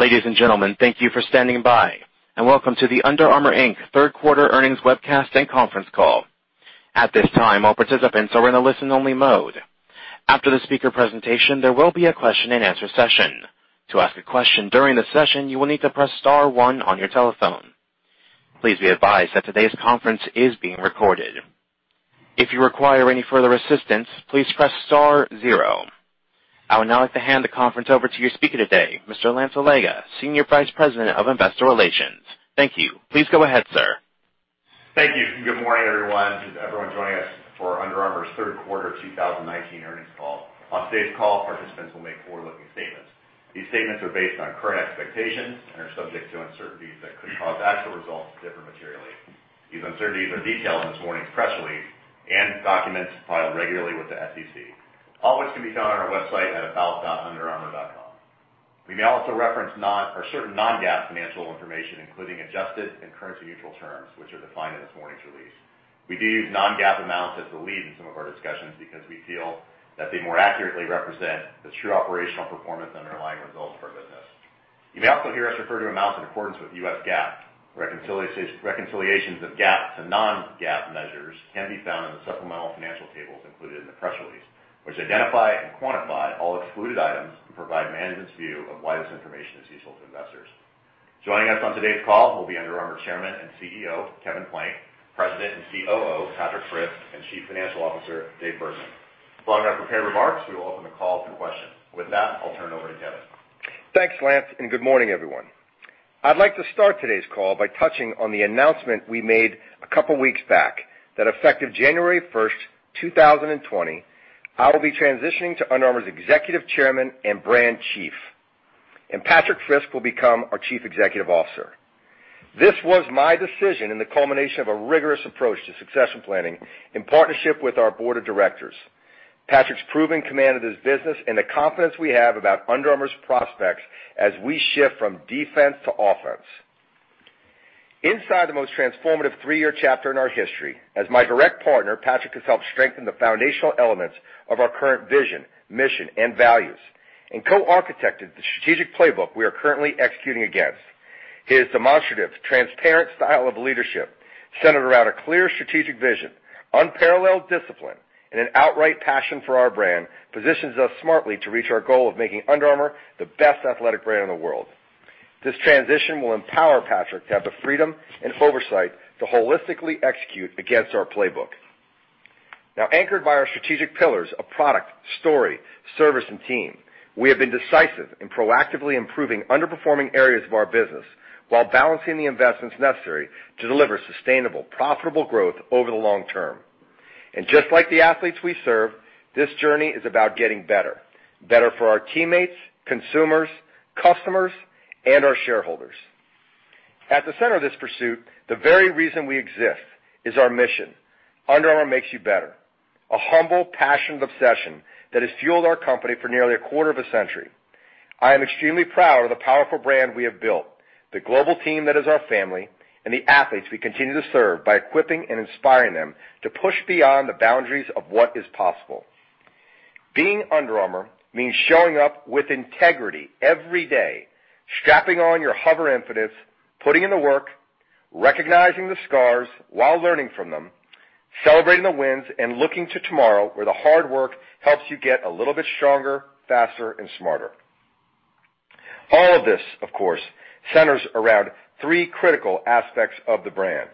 Ladies and gentlemen, thank you for standing by, and welcome to the Under Armour, Inc. Third Quarter Earnings Webcast and Conference Call. At this time, all participants are in a listen-only mode. After the speaker presentation, there will be a question-and-answer session. To ask a question during the session, you will need to press star one on your telephone. Please be advised that today's conference is being recorded. If you require any further assistance, please press star zero. I would now like to hand the conference over to your speaker today, Mr. Lance Allega, Senior Vice President of Investor Relations. Thank you. Please go ahead, sir. Thank you, and good morning, everyone joining us for Under Armour's Third Quarter 2019 Earnings Call. On today's call, participants will make forward-looking statements. These statements are based on current expectations and are subject to uncertainties that could cause actual results to differ materially. These uncertainties are detailed in this morning's press release and documents filed regularly with the SEC, all which can be found on our website at about.underarmour.com. We may also reference certain non-GAAP financial information, including adjusted and currency-neutral terms, which are defined in this morning's release. We do use non-GAAP amounts as the lead in some of our discussions because we feel that they more accurately represent the true operational performance and underlying results of our business. You may also hear us refer to amounts in accordance with U.S. GAAP. Reconciliations of GAAP to non-GAAP measures can be found in the supplemental financial tables included in the press release, which identify and quantify all excluded items and provide management's view of why this information is useful to investors. Joining us on today's call will be Under Armour Chairman and CEO, Kevin Plank; President and COO, Patrik Frisk; and Chief Financial Officer, David Bergman. Following our prepared remarks, we will open the call to questions. With that, I'll turn it over to Kevin. Thanks, Lance. Good morning, everyone. I'd like to start today's call by touching on the announcement we made a couple weeks back, that effective January 1st, 2020, I will be transitioning to Under Armour's Executive Chairman and Brand Chief, and Patrik Frisk will become our Chief Executive Officer. This was my decision in the culmination of a rigorous approach to succession planning in partnership with our board of directors. Patrik's proven command of this business and the confidence we have about Under Armour's prospects as we shift from defense to offense. Inside the most transformative three-year chapter in our history, as my direct partner, Patrik has helped strengthen the foundational elements of our current vision, mission, and values, and co-architected the strategic playbook we are currently executing against. His demonstrative, transparent style of leadership, centered around a clear strategic vision, unparalleled discipline, and an outright passion for our brand, positions us smartly to reach our goal of making Under Armour the best athletic brand in the world. This transition will empower Patrik to have the freedom and oversight to holistically execute against our playbook. Now, anchored by our strategic pillars of product, story, service, and team, we have been decisive in proactively improving underperforming areas of our business while balancing the investments necessary to deliver sustainable, profitable growth over the long term. Just like the athletes we serve, this journey is about getting better for our teammates, consumers, customers, and our shareholders. At the center of this pursuit, the very reason we exist is our mission, Under Armour makes you better. A humble, passionate obsession that has fueled our company for nearly a quarter of a century. I am extremely proud of the powerful brand we have built, the global team that is our family, and the athletes we continue to serve by equipping and inspiring them to push beyond the boundaries of what is possible. Being Under Armour means showing up with integrity every day, strapping on your HOVR Infinites, putting in the work, recognizing the scars while learning from them, celebrating the wins, and looking to tomorrow, where the hard work helps you get a little bit stronger, faster, and smarter. All of this, of course, centers around three critical aspects of the brand: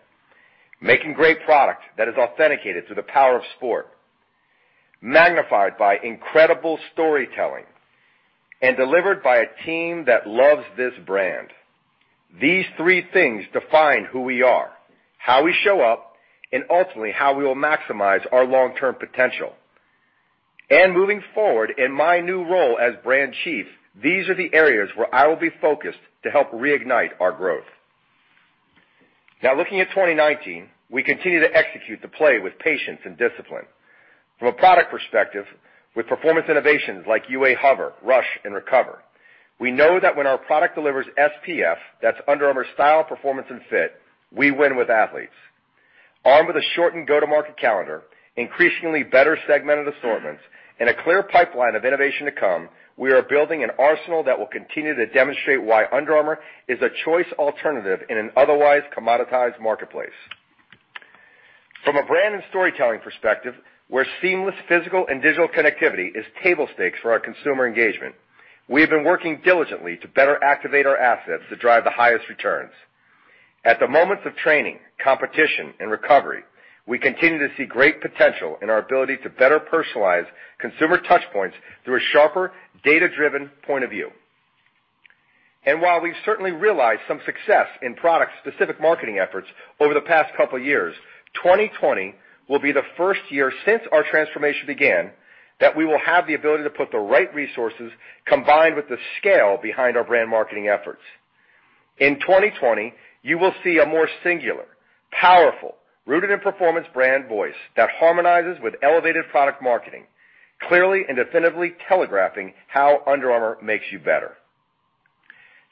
making great product that is authenticated through the power of sport, magnified by incredible storytelling, and delivered by a team that loves this brand. These three things define who we are, how we show up, and ultimately how we will maximize our long-term potential. Moving forward in my new role as brand chief, these are the areas where I will be focused to help reignite our growth. Now looking at 2019, we continue to execute the play with patience and discipline. From a product perspective, with performance innovations like UA HOVR, Rush, and Recover, we know that when our product delivers SPF, that's Under Armour's style, performance, and fit, we win with athletes. Armed with a shortened go-to-market calendar, increasingly better segmented assortments, and a clear pipeline of innovation to come, we are building an arsenal that will continue to demonstrate why Under Armour is a choice alternative in an otherwise commoditized marketplace. From a brand and storytelling perspective, where seamless physical and digital connectivity is table stakes for our consumer engagement, we have been working diligently to better activate our assets to drive the highest returns. At the moments of training, competition, and recovery, we continue to see great potential in our ability to better personalize consumer touchpoints through a sharper data-driven point of view. While we've certainly realized some success in product-specific marketing efforts over the past couple years, 2020 will be the first year since our transformation began that we will have the ability to put the right resources, combined with the scale behind our brand marketing efforts. In 2020, you will see a more singular, powerful, rooted in performance brand voice that harmonizes with elevated product marketing, clearly and definitively telegraphing how Under Armour makes you better.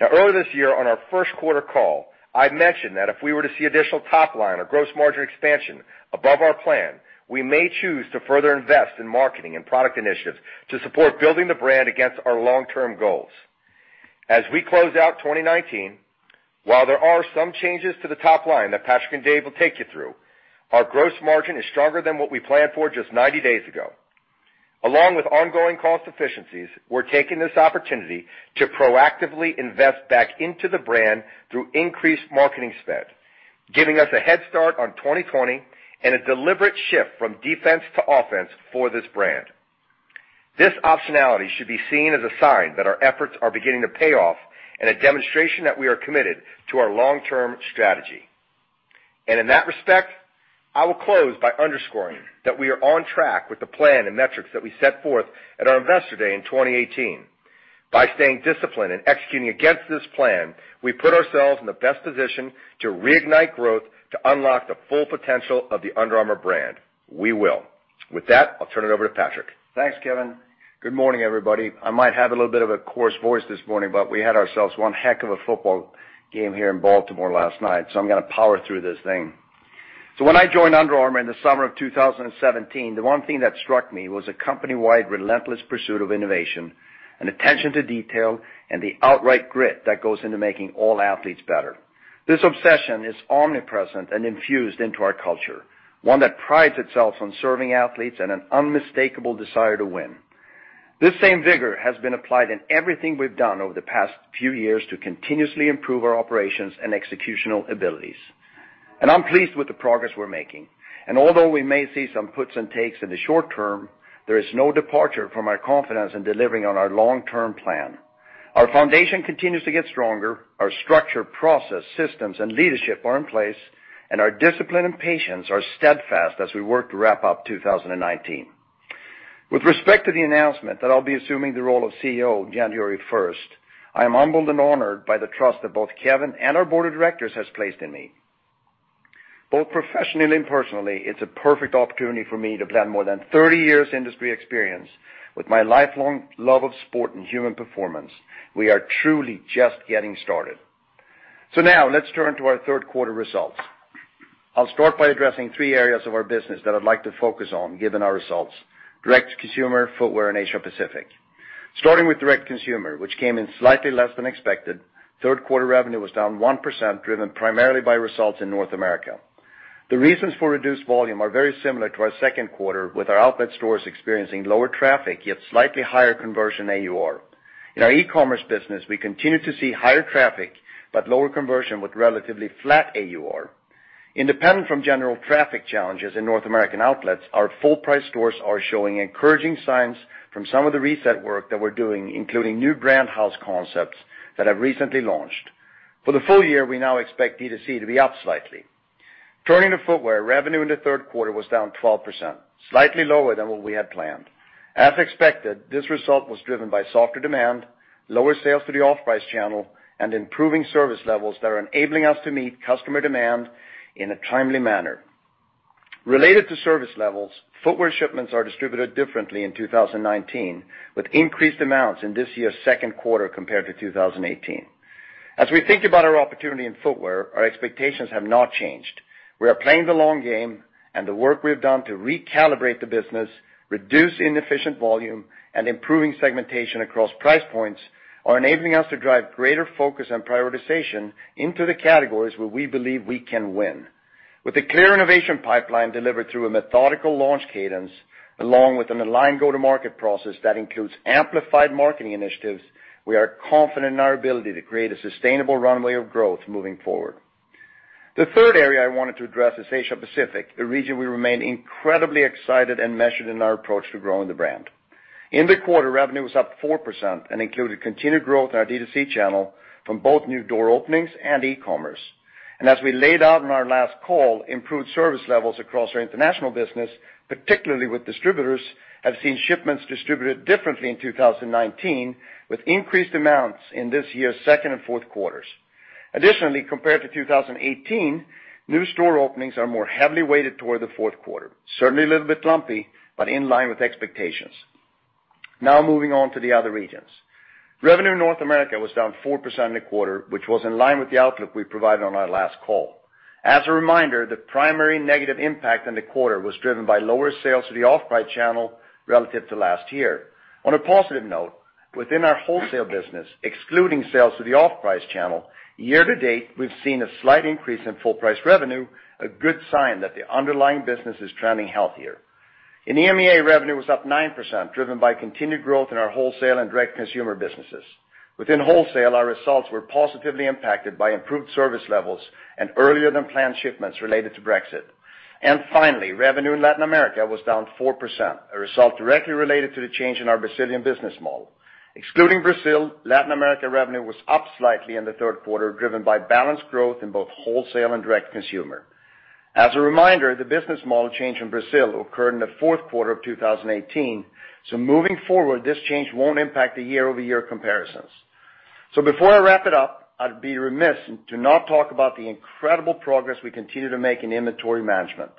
Now, earlier this year on our first quarter call, I mentioned that if we were to see additional top line or gross margin expansion above our plan, we may choose to further invest in marketing and product initiatives to support building the brand against our long-term goals. As we close out 2019, while there are some changes to the top line that Patrik and Dave will take you through, our gross margin is stronger than what we planned for just 90 days ago. Along with ongoing cost efficiencies, we're taking this opportunity to proactively invest back into the brand through increased marketing spend, giving us a head start on 2020 and a deliberate shift from defense to offense for this brand. This optionality should be seen as a sign that our efforts are beginning to pay off and a demonstration that we are committed to our long-term strategy. In that respect, I will close by underscoring that we are on track with the plan and metrics that we set forth at our Investor Day in 2018. By staying disciplined and executing against this plan, we put ourselves in the best position to reignite growth to unlock the full potential of the Under Armour brand. We will. With that, I'll turn it over to Patrik. Thanks, Kevin. Good morning, everybody. I might have a little bit of a coarse voice this morning, but we had ourselves one heck of a football game here in Baltimore last night. I'm going to power through this thing. When I joined Under Armour in the summer of 2017, the one thing that struck me was a company-wide relentless pursuit of innovation, an attention to detail, and the outright grit that goes into making all athletes better. This obsession is omnipresent and infused into our culture, one that prides itself on serving athletes and an unmistakable desire to win. This same vigor has been applied in everything we've done over the past few years to continuously improve our operations and executional abilities. I'm pleased with the progress we're making. Although we may see some puts and takes in the short term, there is no departure from our confidence in delivering on our long-term plan. Our foundation continues to get stronger. Our structure, process, systems, and leadership are in place, and our discipline and patience are steadfast as we work to wrap up 2019. With respect to the announcement that I'll be assuming the role of CEO on January 1st, I am humbled and honored by the trust that both Kevin and our Board of Directors has placed in me. Both professionally and personally, it's a perfect opportunity for me to blend more than 30 years industry experience with my lifelong love of sport and human performance. We are truly just getting started. Now, let's turn to our third quarter results. I'll start by addressing three areas of our business that I'd like to focus on given our results, direct-to-consumer, footwear, and Asia Pacific. Starting with direct-to-consumer, which came in slightly less than expected, third quarter revenue was down 1%, driven primarily by results in North America. The reasons for reduced volume are very similar to our second quarter, with our outlet stores experiencing lower traffic, yet slightly higher conversion AUR. In our e-commerce business, we continue to see higher traffic, but lower conversion with relatively flat AUR. Independent from general traffic challenges in North American outlets, our full price stores are showing encouraging signs from some of the reset work that we're doing, including new brand house concepts that have recently launched. For the full year, we now expect D2C to be up slightly. Turning to footwear, revenue in the third quarter was down 12%, slightly lower than what we had planned. As expected, this result was driven by softer demand, lower sales through the off-price channel, and improving service levels that are enabling us to meet customer demand in a timely manner. Related to service levels, footwear shipments are distributed differently in 2019, with increased amounts in this year's second quarter compared to 2018. As we think about our opportunity in footwear, our expectations have not changed. We are playing the long game, and the work we've done to recalibrate the business, reduce inefficient volume, and improving segmentation across price points are enabling us to drive greater focus and prioritization into the categories where we believe we can win. With a clear innovation pipeline delivered through a methodical launch cadence, along with an aligned go-to-market process that includes amplified marketing initiatives, we are confident in our ability to create a sustainable runway of growth moving forward. The third area I wanted to address is Asia Pacific, a region we remain incredibly excited and measured in our approach to growing the brand. In the quarter, revenue was up 4% and included continued growth in our D2C channel from both new door openings and e-commerce. As we laid out in our last call, improved service levels across our international business, particularly with distributors, have seen shipments distributed differently in 2019, with increased amounts in this year's second and fourth quarters. Additionally, compared to 2018, new store openings are more heavily weighted toward the fourth quarter. Certainly a little bit lumpy, but in line with expectations. Now moving on to the other regions. Revenue in North America was down 4% in the quarter, which was in line with the outlook we provided on our last call. As a reminder, the primary negative impact in the quarter was driven by lower sales through the off-price channel relative to last year. On a positive note, within our wholesale business, excluding sales through the off-price channel, year to date, we've seen a slight increase in full price revenue, a good sign that the underlying business is trending healthier. In EMEA, revenue was up 9%, driven by continued growth in our wholesale and direct consumer businesses. Within wholesale, our results were positively impacted by improved service levels and earlier-than-planned shipments related to Brexit. Finally, revenue in Latin America was down 4%, a result directly related to the change in our Brazilian business model. Excluding Brazil, Latin America revenue was up slightly in the third quarter, driven by balanced growth in both wholesale and DTC. As a reminder, the business model change in Brazil occurred in the fourth quarter of 2018, moving forward, this change won't impact the year-over-year comparisons. Before I wrap it up, I'd be remiss to not talk about the incredible progress we continue to make in inventory management.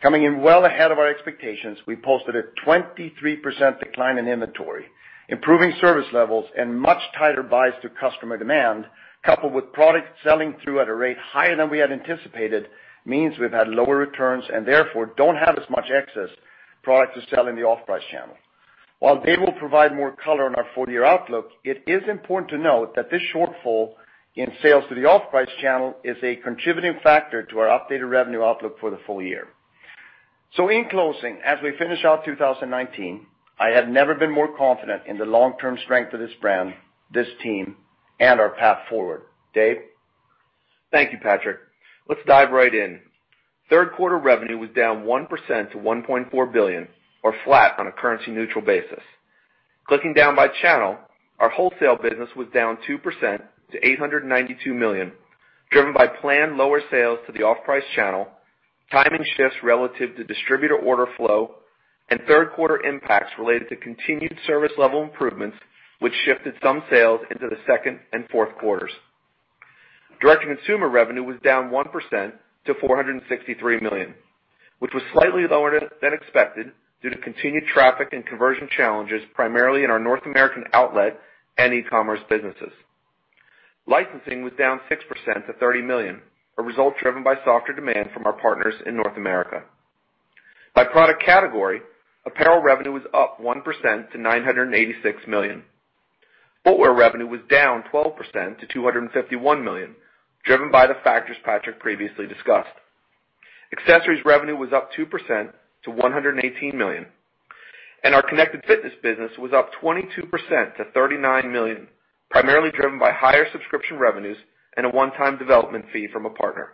Coming in well ahead of our expectations, we posted a 23% decline in inventory, improving service levels and much tighter buys to customer demand, coupled with product selling through at a rate higher than we had anticipated, means we've had lower returns, and therefore don't have as much excess product to sell in the off-price channel. While Dave will provide more color on our full-year outlook, it is important to note that this shortfall in sales to the off-price channel is a contributing factor to our updated revenue outlook for the full year. In closing, as we finish out 2019, I have never been more confident in the long-term strength of this brand, this team, and our path forward. Dave? Thank you, Patrik. Let's dive right in. Third quarter revenue was down 1% to $1.4 billion, or flat on a currency neutral basis. Clicking down by channel, our wholesale business was down 2% to $892 million, driven by planned lower sales to the off-price channel, timing shifts relative to distributor order flow, and third quarter impacts related to continued service level improvements, which shifted some sales into the second and fourth quarters. Direct-to-consumer revenue was down 1% to $463 million, which was slightly lower than expected due to continued traffic and conversion challenges, primarily in our North American outlet and e-commerce businesses. Licensing was down 6% to $30 million, a result driven by softer demand from our partners in North America. By product category, apparel revenue was up 1% to $986 million. Footwear revenue was down 12% to $251 million, driven by the factors Patrik previously discussed. Accessories revenue was up 2% to $118 million, and our connected fitness business was up 22% to $39 million, primarily driven by higher subscription revenues and a one-time development fee from a partner.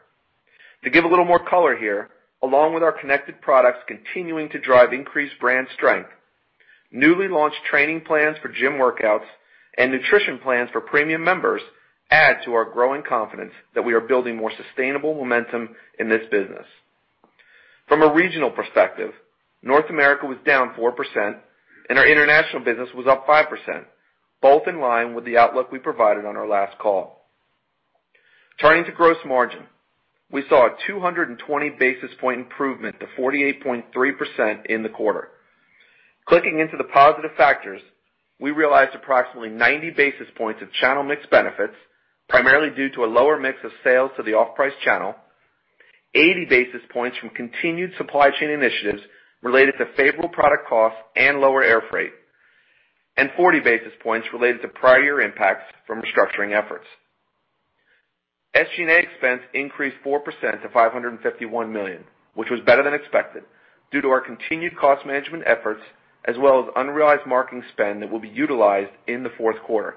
To give a little more color here, along with our connected products continuing to drive increased brand strength, newly launched training plans for gym workouts and nutrition plans for premium members add to our growing confidence that we are building more sustainable momentum in this business. From a regional perspective, North America was down 4%, and our international business was up 5%, both in line with the outlook we provided on our last call. Turning to gross margin, we saw a 220 basis point improvement to 48.3% in the quarter. Clicking into the positive factors, we realized approximately 90 basis points of channel mix benefits, primarily due to a lower mix of sales to the off-price channel, 80 basis points from continued supply chain initiatives related to favorable product costs and lower air freight, and 40 basis points related to prior year impacts from restructuring efforts. SG&A expense increased 4% to $551 million, which was better than expected due to our continued cost management efforts, as well as unrealized marketing spend that will be utilized in the fourth quarter,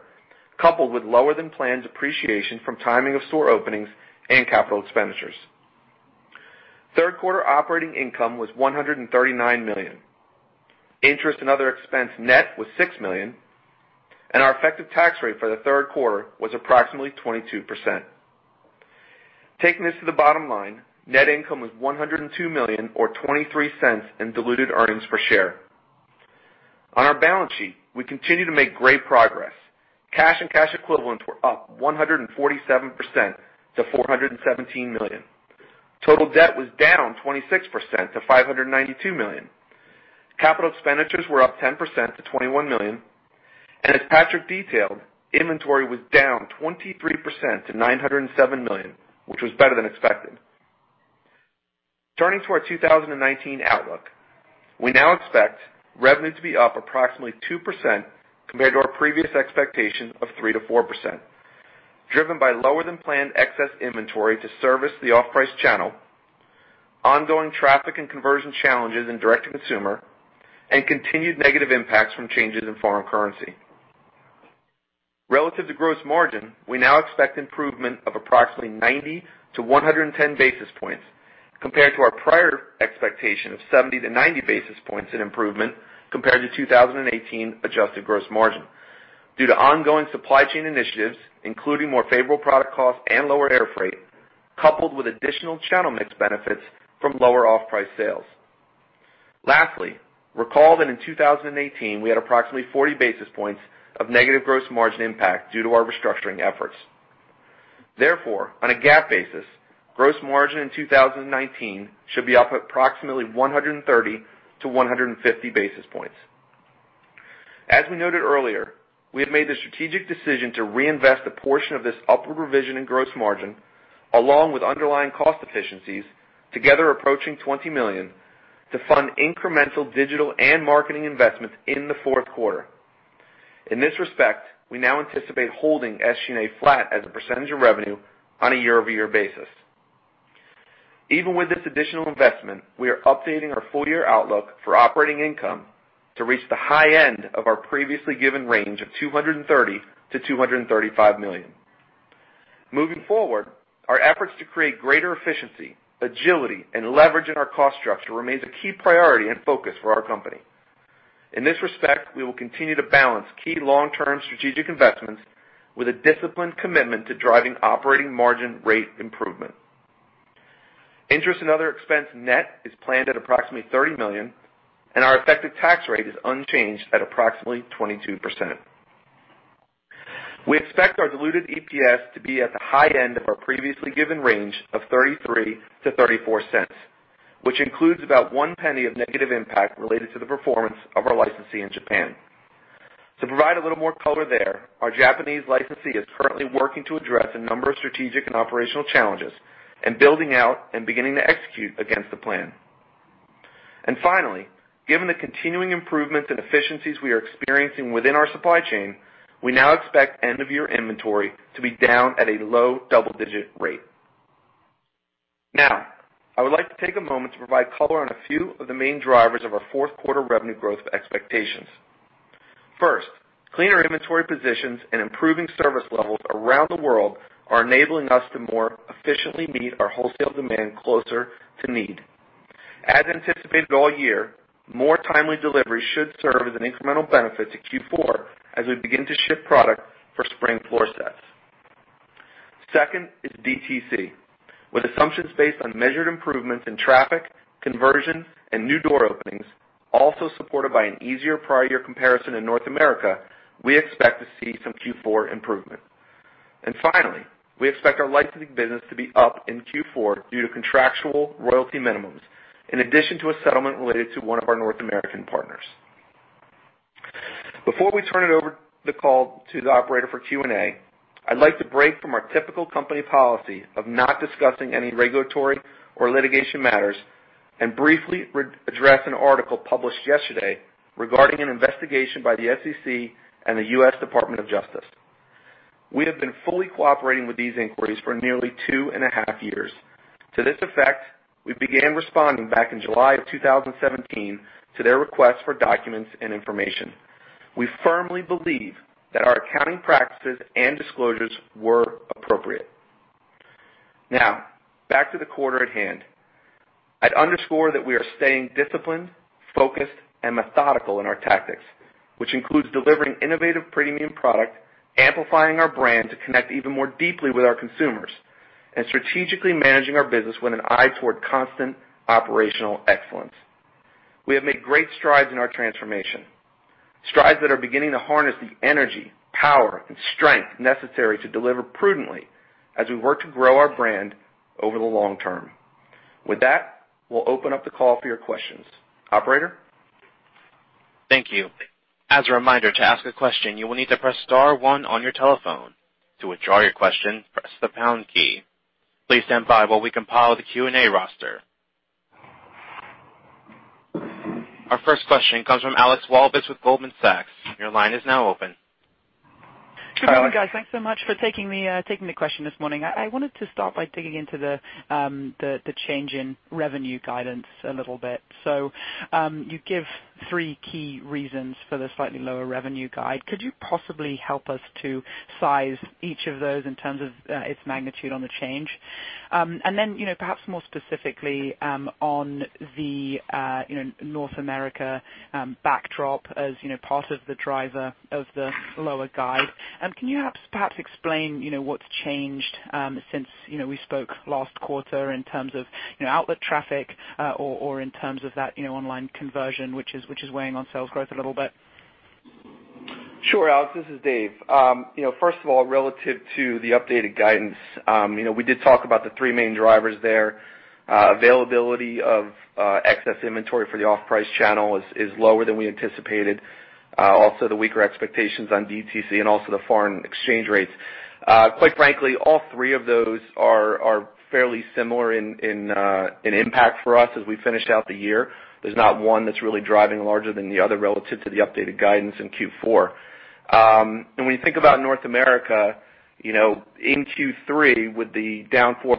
coupled with lower than planned depreciation from timing of store openings and capital expenditures. Third quarter operating income was $139 million. Interest and other expense net was $6 million, and our effective tax rate for the third quarter was approximately 22%. Taking this to the bottom line, net income was $102 million or $0.23 in diluted earnings per share. On our balance sheet, we continue to make great progress. Cash and cash equivalents were up 147% to $417 million. Total debt was down 26% to $592 million. Capital expenditures were up 10% to $21 million, and as Patrik detailed, inventory was down 23% to $907 million, which was better than expected. Turning to our 2019 outlook, we now expect revenue to be up approximately 2% compared to our previous expectation of 3%-4%, driven by lower than planned excess inventory to service the off-price channel, ongoing traffic and conversion challenges in direct-to-consumer, and continued negative impacts from changes in foreign currency. Relative to gross margin, we now expect improvement of approximately 90-110 basis points compared to our prior expectation of 70-90 basis points in improvement compared to 2018 adjusted gross margin due to ongoing supply chain initiatives, including more favorable product costs and lower air freight, coupled with additional channel mix benefits from lower off-price sales. Lastly, recall that in 2018, we had approximately 40 basis points of negative gross margin impact due to our restructuring efforts. Therefore, on a GAAP basis, gross margin in 2019 should be up approximately 130-150 basis points. As we noted earlier, we have made the strategic decision to reinvest a portion of this upward revision in gross margin, along with underlying cost efficiencies, together approaching $20 million, to fund incremental digital and marketing investments in the fourth quarter. In this respect, we now anticipate holding SG&A flat as a percentage of revenue on a year-over-year basis. Even with this additional investment, we are updating our full-year outlook for operating income to reach the high end of our previously given range of $230 million-$235 million. Moving forward, our efforts to create greater efficiency, agility, and leverage in our cost structure remains a key priority and focus for our company. In this respect, we will continue to balance key long-term strategic investments with a disciplined commitment to driving operating margin rate improvement. Interest and other expense net is planned at approximately $30 million. Our effective tax rate is unchanged at approximately 22%. We expect our diluted EPS to be at the high end of our previously given range of $0.33 to $0.34, which includes about $0.01 of negative impact related to the performance of our licensee in Japan. To provide a little more color there, our Japanese licensee is currently working to address a number of strategic and operational challenges and building out and beginning to execute against the plan. Finally, given the continuing improvements and efficiencies we are experiencing within our supply chain, we now expect end-of-year inventory to be down at a low double-digit rate. Now, I would like to take a moment to provide color on a few of the main drivers of our fourth quarter revenue growth expectations. First, cleaner inventory positions and improving service levels around the world are enabling us to more efficiently meet our wholesale demand closer to need. As anticipated all year, more timely delivery should serve as an incremental benefit to Q4 as we begin to ship product for spring floor sets. Second is DTC. With assumptions based on measured improvements in traffic, conversions, and new door openings, also supported by an easier prior year comparison in North America, we expect to see some Q4 improvement. Finally, we expect our licensing business to be up in Q4 due to contractual royalty minimums, in addition to a settlement related to one of our North American partners. Before we turn it over the call to the operator for Q&A, I'd like to break from our typical company policy of not discussing any regulatory or litigation matters and briefly address an article published yesterday regarding an investigation by the SEC and the U.S. Department of Justice. We have been fully cooperating with these inquiries for nearly two and a half years. To this effect, we began responding back in July of 2017 to their request for documents and information. We firmly believe that our accounting practices and disclosures were appropriate. Now, back to the quarter at hand. I'd underscore that we are staying disciplined, focused, and methodical in our tactics, which includes delivering innovative premium product, amplifying our brand to connect even more deeply with our consumers, and strategically managing our business with an eye toward constant operational excellence. We have made great strides in our transformation. Strides that are beginning to harness the energy, power, and strength necessary to deliver prudently as we work to grow our brand over the long term. With that, we'll open up the call for your questions. Operator? Thank you. As a reminder, to ask a question, you will need to press star one on your telephone. To withdraw your question, press the pound key. Please stand by while we compile the Q&A roster. Our first question comes from Alexandra Walvis with Goldman Sachs. Your line is now open. Good morning, guys. Thanks so much for taking the question this morning. I wanted to start by digging into the change in revenue guidance a little bit. You give three key reasons for the slightly lower revenue guide. Could you possibly help us to size each of those in terms of its magnitude on the change? Then, perhaps more specifically, on the North America backdrop as part of the driver of the lower guide. Can you perhaps explain what's changed since we spoke last quarter in terms of outlet traffic or in terms of that online conversion, which is weighing on sales growth a little bit? Sure, Alex. This is Dave. First of all, relative to the updated guidance. We did talk about the three main drivers there. Availability of excess inventory for the off-price channel is lower than we anticipated. The weaker expectations on DTC and also the foreign exchange rates. Quite frankly, all three of those are fairly similar in impact for us as we finish out the year. There's not one that's really driving larger than the other relative to the updated guidance in Q4. When you think about North America, in Q3 with the down 4%,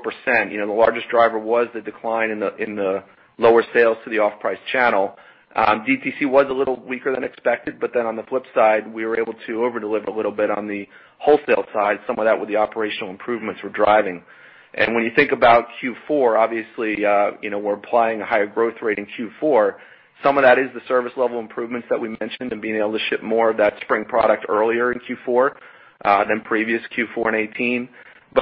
the largest driver was the decline in the lower sales to the off-price channel. DTC was a little weaker than expected, but then on the flip side, we were able to over-deliver a little bit on the wholesale side, some of that with the operational improvements we're driving. When you think about Q4, obviously, we're applying a higher growth rate in Q4. Some of that is the service level improvements that we mentioned and being able to ship more of that spring product earlier in Q4 than previous Q4 in 2018.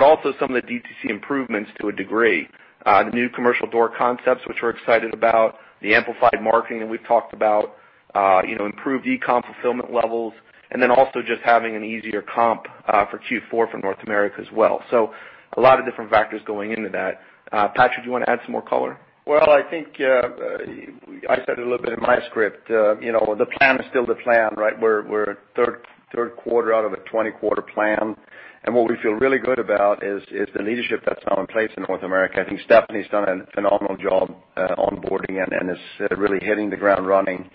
Also some of the DTC improvements to a degree. The new commercial door concepts, which we're excited about, the amplified marketing that we've talked about, improved e-com fulfillment levels, and then also just having an easier comp for Q4 for North America as well. A lot of different factors going into that. Patrik, do you want to add some more color? Well, I think, I said a little bit in my script. The plan is still the plan, right? What we feel really good about is the leadership that's now in place in North America. I think Stephanie's done a phenomenal job onboarding and is really hitting the ground running.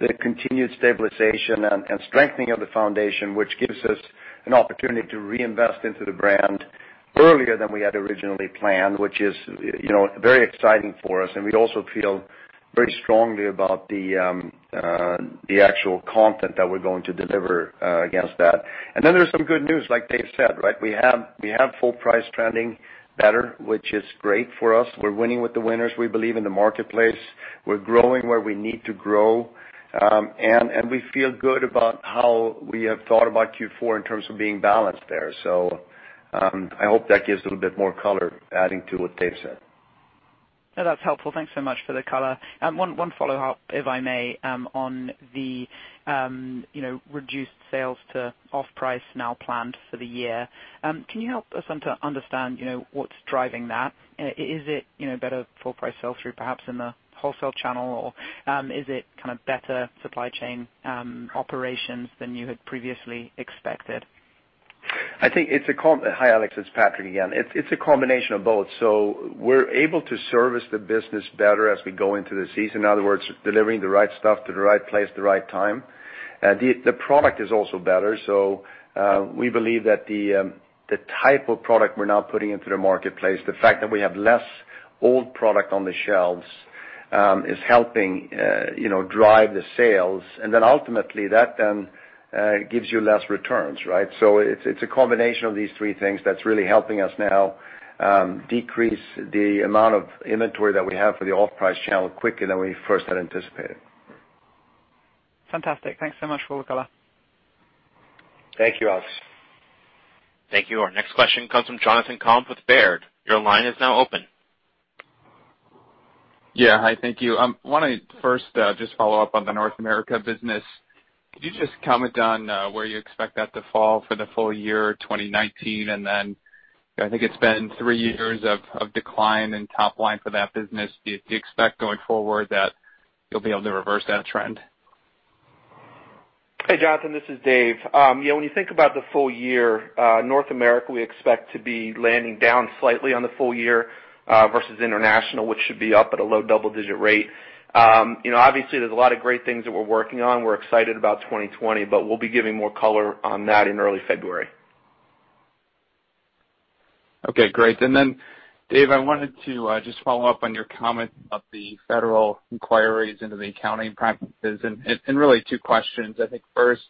The continued stabilization and strengthening of the foundation, which gives us an opportunity to reinvest into the brand earlier than we had originally planned, which is very exciting for us. We also feel very strongly about the actual content that we're going to deliver against that. Then there's some good news, like Dave said. We have full price trending better, which is great for us. We're winning with the winners. We believe in the marketplace. We're growing where we need to grow. We feel good about how we have thought about Q4 in terms of being balanced there. I hope that gives a little bit more color adding to what Dave said. No, that's helpful. Thanks so much for the color. One follow-up, if I may, on the reduced sales to off-price now planned for the year. Can you help us understand what's driving that? Is it better full price sell-through perhaps in the wholesale channel, or is it kind of better supply chain operations than you had previously expected? Hi, Alex, it's Patrik again. It's a combination of both. We're able to service the business better as we go into the season. In other words, delivering the right stuff to the right place at the right time. The product is also better. We believe that the type of product we're now putting into the marketplace, the fact that we have less old product on the shelves, is helping drive the sales. Ultimately that then gives you less returns, right? It's a combination of these three things that's really helping us now decrease the amount of inventory that we have for the off-price channel quicker than we first had anticipated. Fantastic. Thanks so much for the color. Thank you, Alex. Thank you. Our next question comes from Jonathan Komp with Baird. Your line is now open. Yeah. Hi. Thank you. I want to first just follow up on the North America business. Could you just comment on where you expect that to fall for the full year 2019? Then, I think it's been three years of decline in top line for that business. Do you expect going forward that you'll be able to reverse that trend? Hey, Jonathan, this is Dave. When you think about the full year, North America, we expect to be landing down slightly on the full year, versus international, which should be up at a low double-digit rate. Obviously, there's a lot of great things that we're working on. We're excited about 2020. We'll be giving more color on that in early February. Okay, great. Then Dave, I wanted to just follow up on your comment about the federal inquiries into the accounting practices, and really two questions. I think first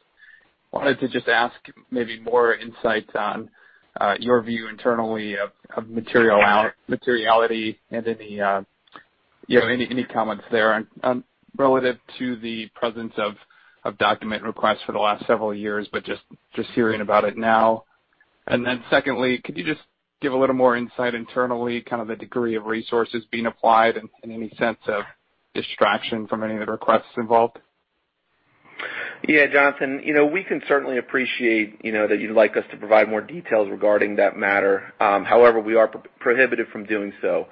I wanted to just ask maybe more insight on your view internally of materiality and any comments there on relative to the presence of document requests for the last several years, but just hearing about it now. Then secondly, could you just give a little more insight internally, kind of the degree of resources being applied and any sense of distraction from any of the requests involved? Jonathan, we can certainly appreciate that you'd like us to provide more details regarding that matter. However, we are prohibited from doing so.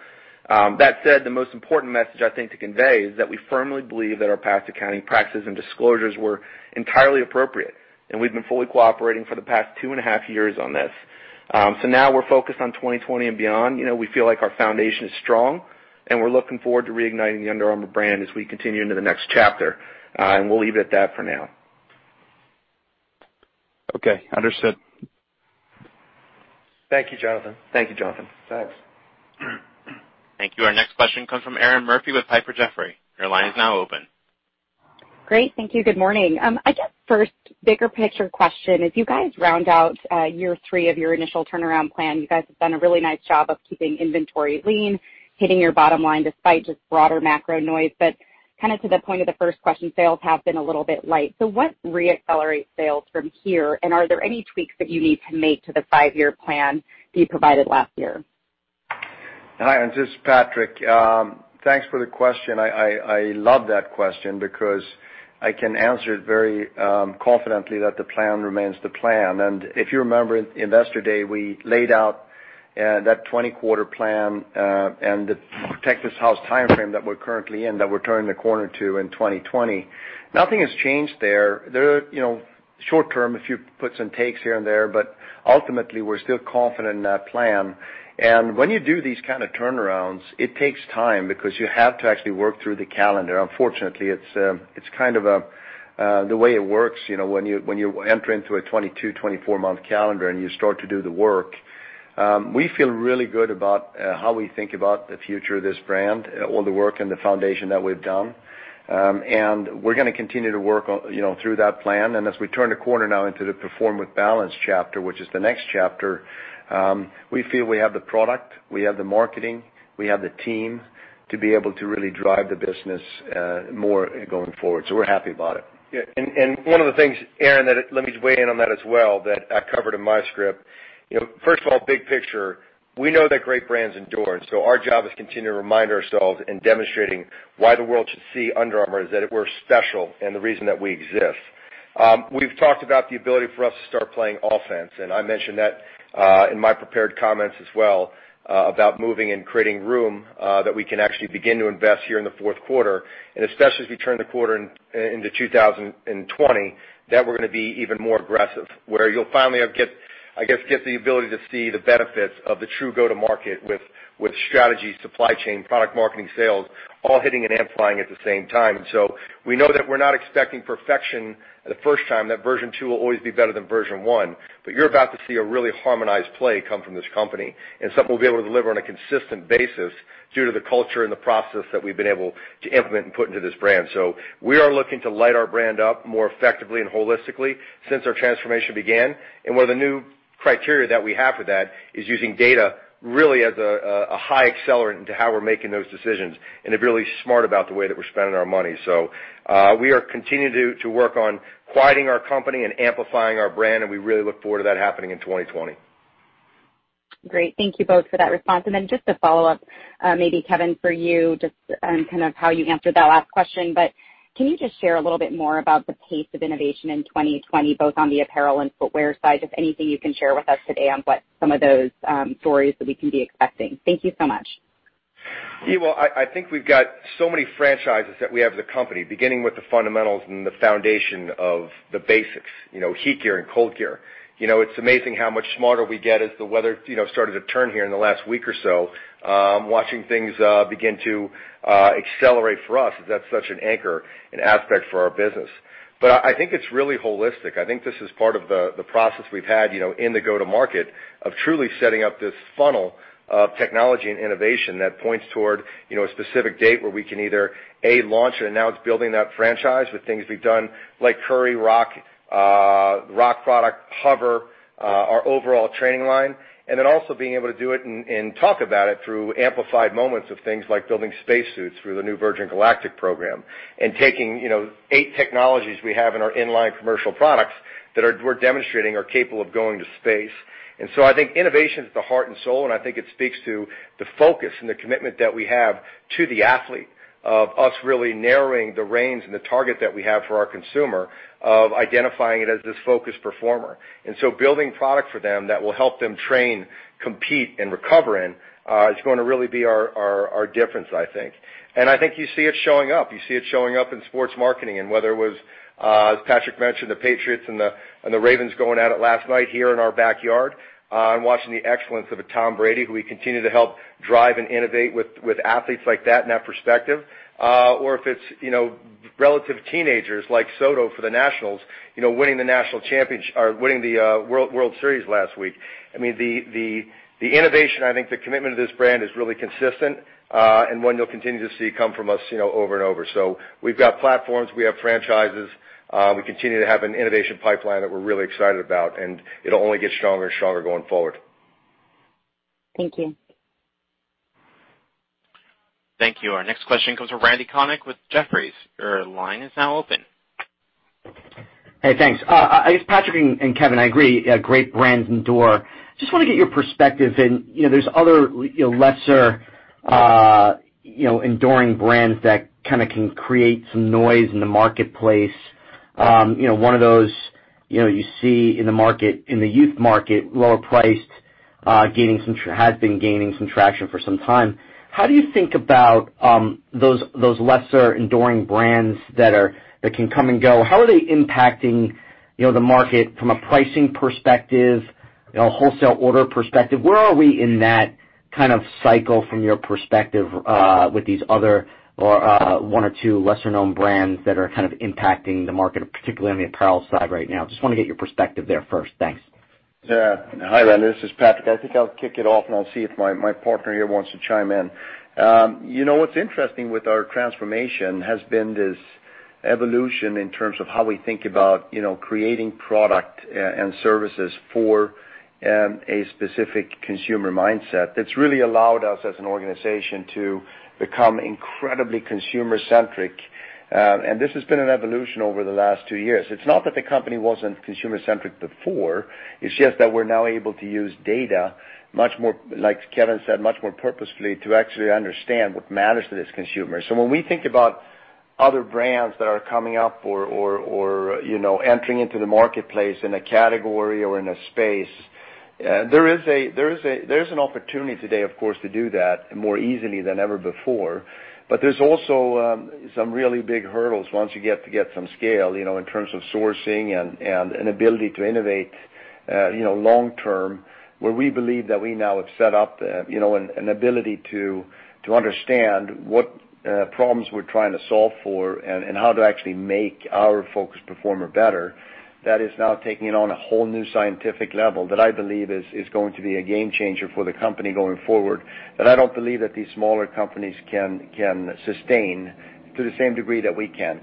That said, the most important message I think to convey is that we firmly believe that our past accounting practices and disclosures were entirely appropriate, and we've been fully cooperating for the past two and a half years on this. Now we're focused on 2020 and beyond. We feel like our foundation is strong, and we're looking forward to reigniting the Under Armour brand as we continue into the next chapter. We'll leave it at that for now. Okay, understood. Thank you, Jonathan. Thank you, Jonathan. Thanks. Thank you. Our next question comes from Erinn Murphy with Piper Jaffray. Your line is now open. Great. Thank you. Good morning. I guess first bigger picture question, as you guys round out year three of your initial turnaround plan, you guys have done a really nice job of keeping inventory lean, hitting your bottom line despite just broader macro noise. Kind of to the point of the first question, sales have been a little bit light. What re-accelerates sales from here, and are there any tweaks that you need to make to the five-year plan that you provided last year? Hi, this is Patrik. Thanks for the question. I love that question because I can answer it very confidently that the plan remains the plan. If you remember Investor Day, we laid out that 20-quarter plan, and the Texas House timeframe that we're currently in, that we're turning the corner to in 2020. Nothing has changed there. Short-term, a few puts and takes here and there, but ultimately, we're still confident in that plan. When you do these kind of turnarounds, it takes time because you have to actually work through the calendar. Unfortunately, it's kind of the way it works when you enter into a 22, 24-month calendar and you start to do the work. We feel really good about how we think about the future of this brand, all the work and the foundation that we've done. We're gonna continue to work through that plan. As we turn the corner now into the Perform with Balance chapter, which is the next chapter, we feel we have the product, we have the marketing, we have the team to be able to really drive the business more going forward. We're happy about it. One of the things, Erinn, let me just weigh in on that as well, that I covered in my script. First of all, big picture, we know that great brands endure. Our job is to continue to remind ourselves in demonstrating why the world should see Under Armour as that we're special and the reason that we exist. We've talked about the ability for us to start playing offense, and I mentioned that in my prepared comments as well, about moving and creating room that we can actually begin to invest here in the fourth quarter. Especially as we turn the quarter into 2020, that we're gonna be even more aggressive, where you'll finally, I guess, get the ability to see the benefits of the true go-to-market with strategy, supply chain, product marketing, sales, all hitting and amplifying at the same time. We know that we're not expecting perfection the first time, that version 2 will always be better than version 1, but you're about to see a really harmonized play come from this company and something we'll be able to deliver on a consistent basis due to the culture and the process that we've been able to implement and put into this brand. We are looking to light our brand up more effectively and holistically since our transformation began. One of the new criteria that we have for that is using data really as a high accelerant into how we're making those decisions and to be really smart about the way that we're spending our money. We are continuing to work on quieting our company and amplifying our brand, and we really look forward to that happening in 2020. Great. Thank you both for that response. Just a follow-up, maybe Kevin, for you, just on how you answered that last question, but can you just share a little bit more about the pace of innovation in 2020, both on the apparel and footwear side? Just anything you can share with us today on what some of those stories that we can be expecting. Thank you so much. I think we've got so many franchises that we have as a company, beginning with the fundamentals and the foundation of the basics, HeatGear and ColdGear. It's amazing how much smarter we get as the weather started to turn here in the last week or so, watching things begin to accelerate for us, as that's such an anchor and aspect for our business. I think it's really holistic. I think this is part of the process we've had in the go-to-market of truly setting up this funnel of technology and innovation that points toward a specific date where we can either, A, launch it, and now it's building that franchise with things we've done like Curry, Rock product, HOVR, our overall training line. Also being able to do it and talk about it through amplified moments of things like building space suits through the new Virgin Galactic program. Taking eight technologies we have in our in-line commercial products that we're demonstrating are capable of going to space. I think innovation is the heart and soul, and I think it speaks to the focus and the commitment that we have to the athlete, of us really narrowing the range and the target that we have for our consumer, of identifying it as this focused performer. Building product for them that will help them train, compete, and recover in, is going to really be our difference, I think. I think you see it showing up. You see it showing up in sports marketing, and whether it was, as Patrik mentioned, the Patriots and the Ravens going at it last night here in our backyard, and watching the excellence of a Tom Brady, who we continue to help drive and innovate with athletes like that in that perspective. If it's relative teenagers like Soto for the Nationals, winning the World Series last week. The innovation, I think the commitment to this brand is really consistent, and one you'll continue to see come from us over and over. We've got platforms, we have franchises. We continue to have an innovation pipeline that we're really excited about, and it'll only get stronger and stronger going forward. Thank you. Thank you. Our next question comes from Randal Konik with Jefferies. Your line is now open. Hey, thanks. I guess Patrik and Kevin, I agree, great brands endure. Just want to get your perspective in. There's other lesser enduring brands that kind of can create some noise in the marketplace. One of those, you see in the youth market, lower priced, has been gaining some traction for some time. How do you think about those lesser enduring brands that can come and go? How are they impacting the market from a pricing perspective, wholesale order perspective? Where are we in that kind of cycle from your perspective, with these other one or two lesser-known brands that are kind of impacting the market, particularly on the apparel side right now? Just want to get your perspective there first. Thanks. Yeah. Hi, Randal. This is Patrik. I think I'll kick it off, and I'll see if my partner here wants to chime in. What's interesting with our transformation has been this evolution in terms of how we think about creating product and services for a specific consumer mindset. That's really allowed us as an organization to become incredibly consumer-centric. This has been an evolution over the last two years. It's not that the company wasn't consumer-centric before. It's just that we're now able to use data much more, like Kevin said, much more purposefully to actually understand what matters to this consumer. When we think about other brands that are coming up or entering into the marketplace in a category or in a space, there is an opportunity today, of course, to do that more easily than ever before. There's also some really big hurdles once you get some scale, in terms of sourcing and an ability to innovate long term, where we believe that we now have set up an ability to understand what problems we're trying to solve for and how to actually make our focus performer better. That is now taking it on a whole new scientific level that I believe is going to be a game changer for the company going forward, that I don't believe that these smaller companies can sustain to the same degree that we can.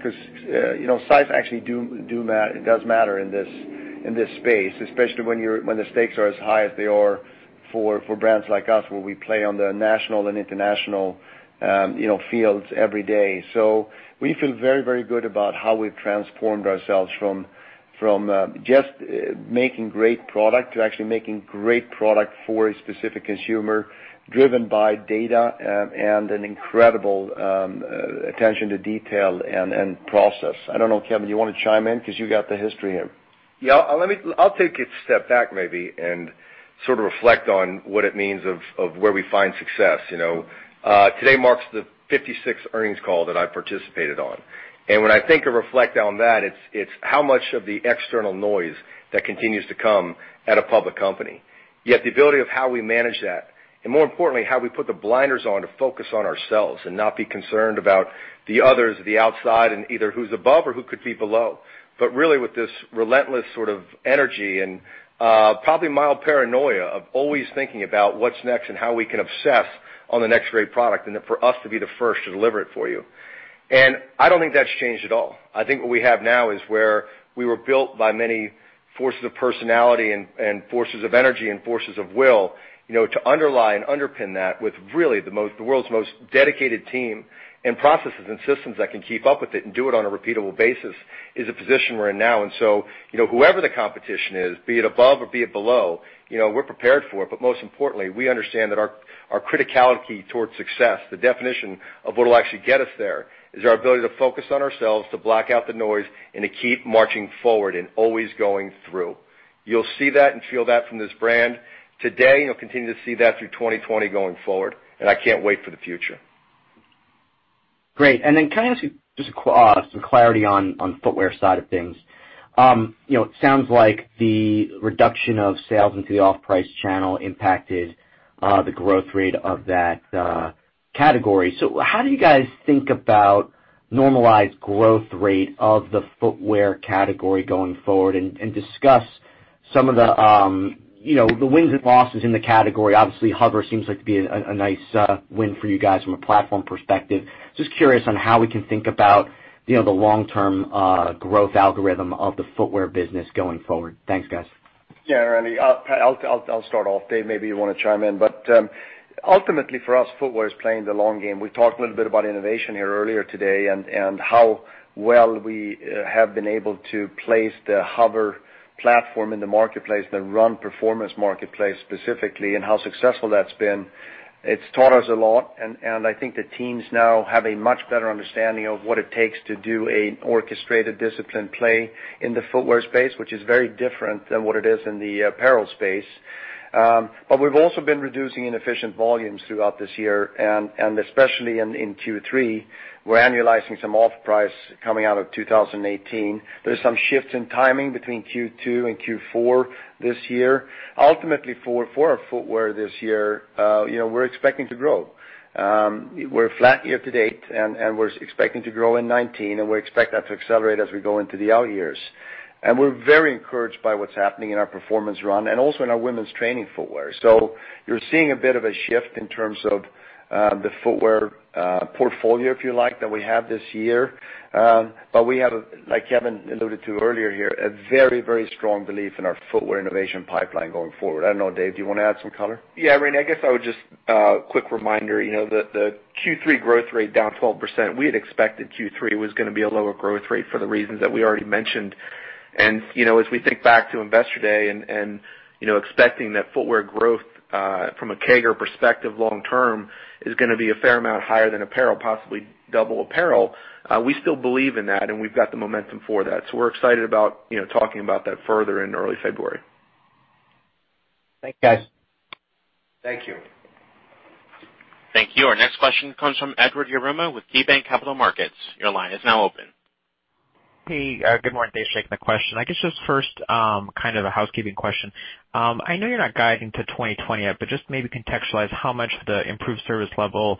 Size actually does matter in this space, especially when the stakes are as high as they are for brands like us, where we play on the national and international fields every day. We feel very, very good about how we've transformed ourselves from just making great product to actually making great product for a specific consumer, driven by data and an incredible attention to detail and process. I don't know, Kevin, you want to chime in because you got the history here? Yeah. I'll take a step back maybe and sort of reflect on what it means of where we find success. Today marks the 56th earnings call that I participated on. When I think or reflect on that, it's how much of the external noise that continues to come at a public company. Yet the ability of how we manage that, and more importantly, how we put the blinders on to focus on ourselves and not be concerned about the others, the outside, and either who's above or who could be below. Really with this relentless sort of energy and probably mild paranoia of always thinking about what's next and how we can obsess on the next great product, and then for us to be the first to deliver it for you. I don't think that's changed at all. I think what we have now is where we were built by many forces of personality and forces of energy and forces of will, to underlie and underpin that with really the world's most dedicated team and processes and systems that can keep up with it and do it on a repeatable basis is a position we're in now. Whoever the competition is, be it above or be it below, we're prepared for it. Most importantly, we understand that our criticality towards success, the definition of what'll actually get us there, is our ability to focus on ourselves, to block out the noise, and to keep marching forward and always going through. You'll see that and feel that from this brand today, and you'll continue to see that through 2020 going forward. I can't wait for the future. Great. Can I ask you just some clarity on footwear side of things? It sounds like the reduction of sales into the off-price channel impacted the growth rate of that category. How do you guys think about normalized growth rate of the footwear category going forward? Discuss some of the wins and losses in the category. Obviously, HOVR seems like to be a nice win for you guys from a platform perspective. Just curious on how we can think about the long-term growth algorithm of the footwear business going forward. Thanks, guys. Yeah, Randy. I'll start off. Dave, maybe you want to chime in. Ultimately, for us, footwear is playing the long game. We talked a little bit about innovation here earlier today and how well we have been able to place the HOVR platform in the marketplace, the run performance marketplace specifically, and how successful that's been. It's taught us a lot, and I think the teams now have a much better understanding of what it takes to do an orchestrated, disciplined play in the footwear space, which is very different than what it is in the apparel space. We've also been reducing inefficient volumes throughout this year, and especially in Q3. We're annualizing some off-price coming out of 2018. There's some shifts in timing between Q2 and Q4 this year. Ultimately, for our footwear this year, we're expecting to grow. We're flat year to date, we're expecting to grow in 2019, and we expect that to accelerate as we go into the out years. We're very encouraged by what's happening in our performance run and also in our women's training footwear. You're seeing a bit of a shift in terms of the footwear portfolio, if you like, that we have this year. We have, like Kevin alluded to earlier here, a very strong belief in our footwear innovation pipeline going forward. I don't know, Dave, do you want to add some color? Yeah, Randy, I guess I would just quick reminder, the Q3 growth rate down 12%, we had expected Q3 was going to be a lower growth rate for the reasons that we already mentioned. As we think back to Investor Day and expecting that footwear growth from a CAGR perspective long term is going to be a fair amount higher than apparel, possibly double apparel, we still believe in that, and we've got the momentum for that. We're excited about talking about that further in early February. Thanks, guys. Thank you. Thank you. Our next question comes from Edward Yruma with KeyBanc Capital Markets. Your line is now open. Good morning. Thanks for taking the question. I guess just first kind of a housekeeping question. I know you're not guiding to 2020 yet. Just maybe contextualize how much the improved service level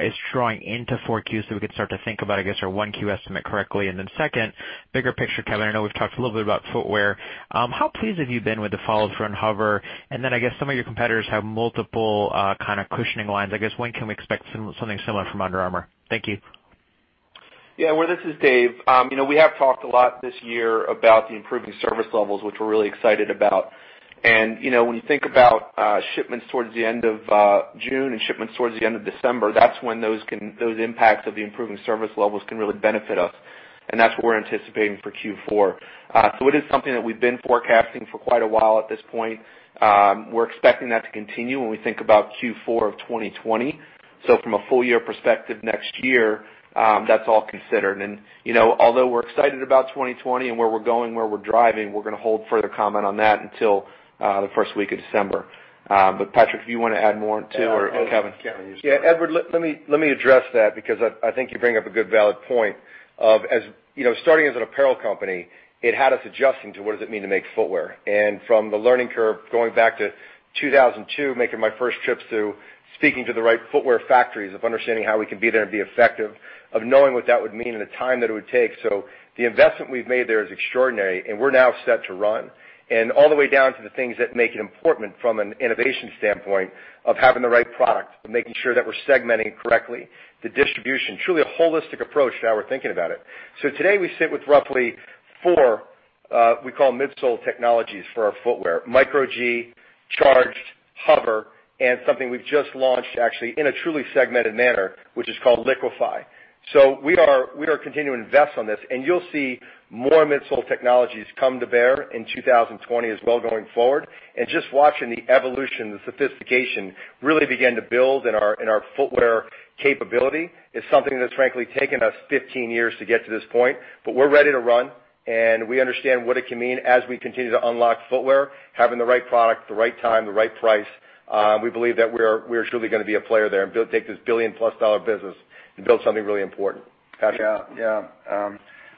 is drawing into 4Q so we can start to think about, I guess, our 1Q estimate correctly. Second, bigger picture, Kevin, I know we've talked a little bit about footwear. How pleased have you been with the follow-through on HOVR? I guess some of your competitors have multiple kind of cushioning lines. I guess, when can we expect something similar from Under Armour? Thank you. Well, this is Dave. We have talked a lot this year about the improving service levels, which we're really excited about. When you think about shipments towards the end of June and shipments towards the end of December, that's when those impacts of the improving service levels can really benefit us. That's what we're anticipating for Q4. It is something that we've been forecasting for quite a while at this point. We're expecting that to continue when we think about Q4 of 2020. From a full year perspective next year, that's all considered. Although we're excited about 2020 and where we're going, where we're driving, we're going to hold further comment on that until the first week of December. Patrik, do you want to add more too, or Kevin? Yeah, Edward, let me address that because I think you bring up a good valid point of as starting as an apparel company, it had us adjusting to what does it mean to make footwear. From the learning curve, going back to 2002, making my first trips to speaking to the right footwear factories, of understanding how we can be there and be effective, of knowing what that would mean and the time that it would take. The investment we've made there is extraordinary, and we're now set to run. All the way down to the things that make it important from an innovation standpoint of having the right product, of making sure that we're segmenting correctly, the distribution, truly a holistic approach to how we're thinking about it. Today we sit with roughly four, we call them midsole technologies for our footwear. Micro G, Charged, HOVR, and something we've just launched actually in a truly segmented manner, which is called Liquify. We are continuing to invest on this, and you'll see more midsole technologies come to bear in 2020 as well going forward. Just watching the evolution, the sophistication really begin to build in our footwear capability is something that's frankly taken us 15 years to get to this point. We're ready to run, and we understand what it can mean as we continue to unlock footwear, having the right product, the right time, the right price. We believe that we're truly going to be a player there and take this $1 billion-plus business and build something really important. Patrik? Yeah.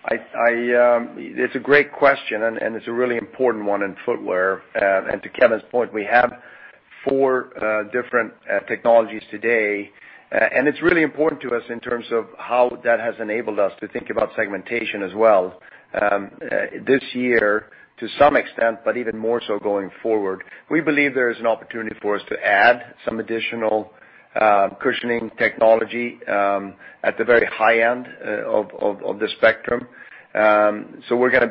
It's a great question, and it's a really important one in footwear. To Kevin's point, we have four different technologies today. It's really important to us in terms of how that has enabled us to think about segmentation as well. This year to some extent, but even more so going forward, we believe there is an opportunity for us to add some additional cushioning technology at the very high end of the spectrum. We're going to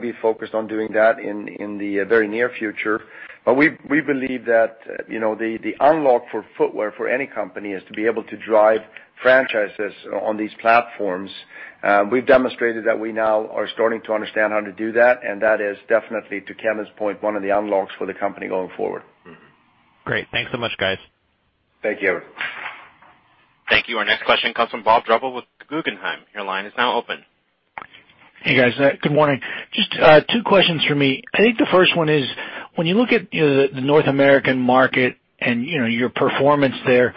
be focused on doing that in the very near future. We believe that the unlock for footwear for any company is to be able to drive franchises on these platforms. We've demonstrated that we now are starting to understand how to do that, and that is definitely, to Kevin's point, one of the unlocks for the company going forward. Great. Thanks so much, guys. Thank you. Thank you. Our next question comes from Bob Drbul with Guggenheim. Your line is now open. Hey, guys. Good morning. Just two questions from me. I think the first one is, when you look at the North American market and your performance there,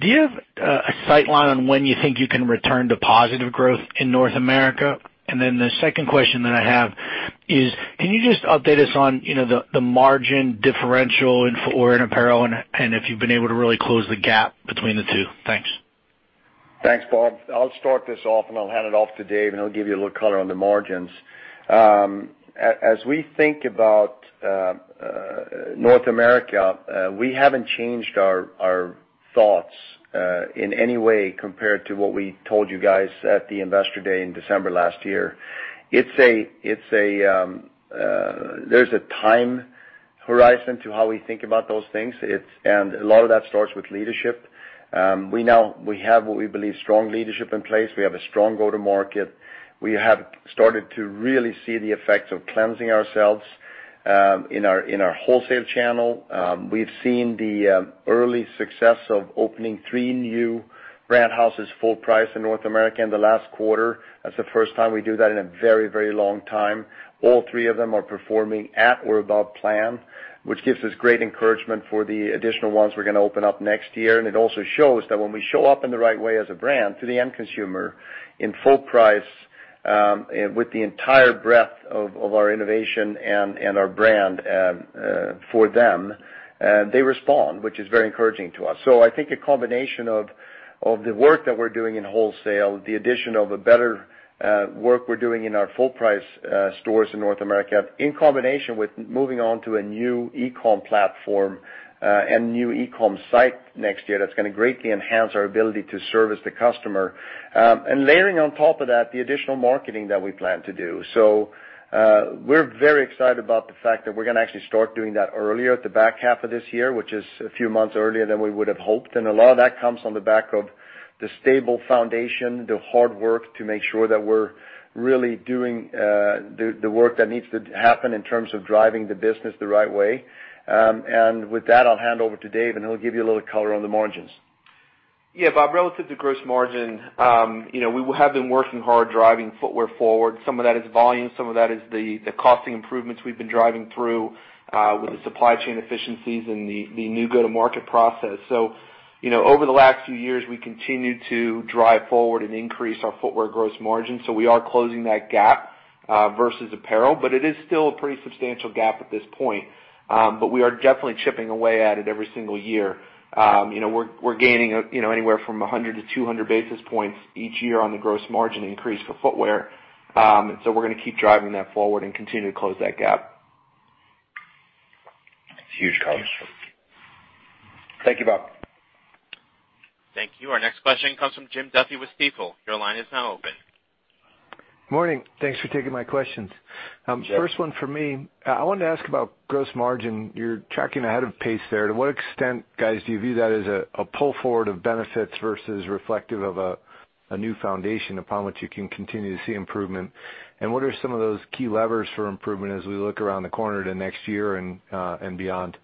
do you have a sight line on when you think you can return to positive growth in North America? The second question that I have is, can you just update us on the margin differential in footwear and apparel and if you've been able to really close the gap between the two? Thanks. Thanks, Bob. I'll start this off, and I'll hand it off to Dave, and he'll give you a little color on the margins. As we think about North America, we haven't changed our thoughts in any way compared to what we told you guys at the investor day in December last year. There's a time horizon to how we think about those things. A lot of that starts with leadership. We now have what we believe strong leadership in place. We have a strong go-to-market. We have started to really see the effects of cleansing ourselves in our wholesale channel. We've seen the early success of opening three new brand houses full price in North America in the last quarter. That's the first time we do that in a very long time. All three of them are performing at or above plan, which gives us great encouragement for the additional ones we're going to open up next year. It also shows that when we show up in the right way as a brand to the end consumer in full price with the entire breadth of our innovation and our brand for them, they respond, which is very encouraging to us. I think a combination of the work that we're doing in wholesale, the addition of a better work we're doing in our full price stores in North America, in combination with moving on to a new e-com platform and new e-com site next year, that's going to greatly enhance our ability to service the customer, layering on top of that, the additional marketing that we plan to do. We're very excited about the fact that we're going to actually start doing that earlier at the back half of this year, which is a few months earlier than we would have hoped. A lot of that comes on the back of the stable foundation, the hard work to make sure that we're really doing the work that needs to happen in terms of driving the business the right way. With that, I'll hand over to Dave, and he'll give you a little color on the margins. Yeah, Bob, relative to gross margin, we have been working hard driving footwear forward. Some of that is volume, some of that is the costing improvements we've been driving through with the supply chain efficiencies and the new go-to-market process. Over the last few years, we continued to drive forward and increase our footwear gross margin. We are closing that gap versus apparel, but it is still a pretty substantial gap at this point. We are definitely chipping away at it every single year. We're gaining anywhere from 100 to 200 basis points each year on the gross margin increase for footwear. We're going to keep driving that forward and continue to close that gap. That's huge, Kevin. Thank you, Bob. Thank you. Our next question comes from Jim Duffy with Stifel. Your line is now open. Morning. Thanks for taking my questions. Jim. First one for me. I wanted to ask about gross margin. You're tracking ahead of pace there. To what extent, guys, do you view that as a pull forward of benefits versus reflective of a new foundation upon which you can continue to see improvement? What are some of those key levers for improvement as we look around the corner to next year and beyond?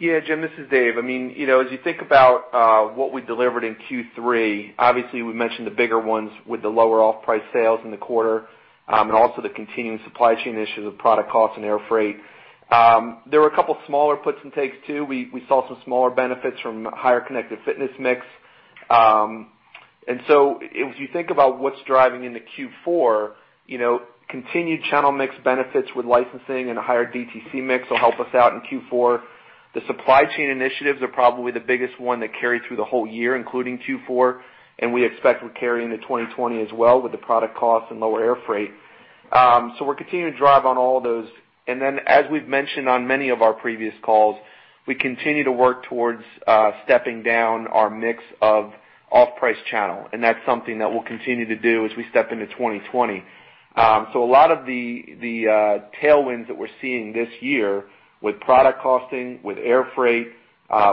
Yeah, Jim, this is Dave. As you think about what we delivered in Q3, obviously, we mentioned the bigger ones with the lower off-price sales in the quarter, and also the continuing supply chain issues with product cost and air freight. There were a couple smaller puts and takes, too. We saw some smaller benefits from higher connected fitness mix. If you think about what's driving into Q4, continued channel mix benefits with licensing and a higher DTC mix will help us out in Q4. The supply chain initiatives are probably the biggest one that carry through the whole year, including Q4, and we expect will carry into 2020 as well with the product cost and lower air freight. We're continuing to drive on all those. As we've mentioned on many of our previous calls, we continue to work towards stepping down our mix of off-price channel, and that's something that we'll continue to do as we step into 2020. A lot of the tailwinds that we're seeing this year with product costing, with air freight,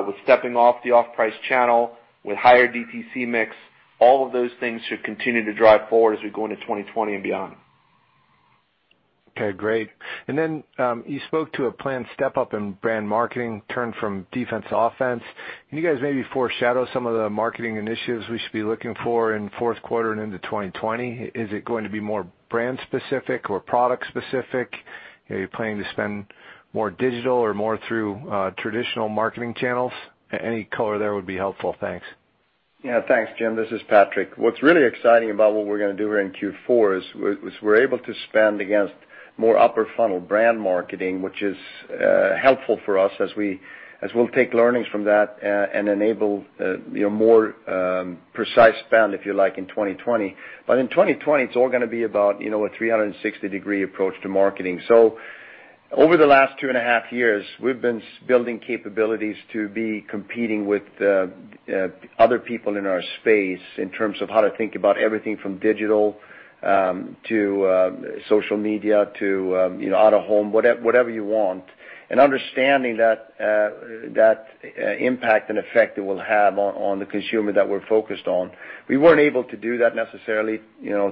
with stepping off the off-price channel, with higher DTC mix, all of those things should continue to drive forward as we go into 2020 and beyond. Okay, great. Then, you spoke to a planned step up in brand marketing turn from defense to offense. Can you guys maybe foreshadow some of the marketing initiatives we should be looking for in fourth quarter and into 2020? Is it going to be more brand specific or product specific? Are you planning to spend more digital or more through traditional marketing channels? Any color there would be helpful. Thanks. Yeah. Thanks, Jim. This is Patrik. What's really exciting about what we're going to do here in Q4 is we're able to spend against more upper funnel brand marketing, which is helpful for us as we'll take learnings from that and enable more precise spend, if you like, in 2020. In 2020, it's all going to be about a 360-degree approach to marketing. Over the last two and a half years, we've been building capabilities to be competing with other people in our space in terms of how to think about everything from digital to social media to out of home, whatever you want, and understanding that impact and effect it will have on the consumer that we're focused on. We weren't able to do that necessarily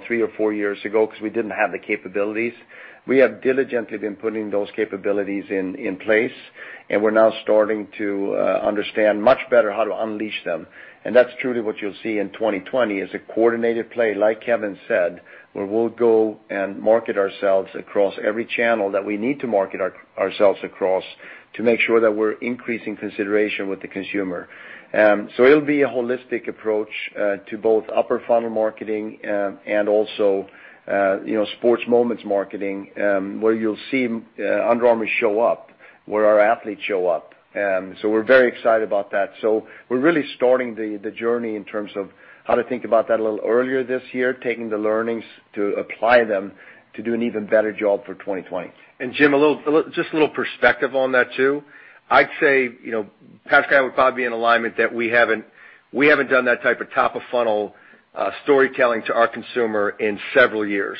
three or four years ago because we didn't have the capabilities. We have diligently been putting those capabilities in place, we're now starting to understand much better how to unleash them. That's truly what you'll see in 2020, is a coordinated play, like Kevin said, where we'll go and market ourselves across every channel that we need to market ourselves across to make sure that we're increasing consideration with the consumer. It'll be a holistic approach to both upper funnel marketing and also sports moments marketing, where you'll see Under Armour show up, where our athletes show up. We're very excited about that. We're really starting the journey in terms of how to think about that a little earlier this year, taking the learnings to apply them to do an even better job for 2020. Jim, just a little perspective on that too. I'd say Pat's guy would probably be in alignment that we haven't done that type of top-of-funnel storytelling to our consumer in several years.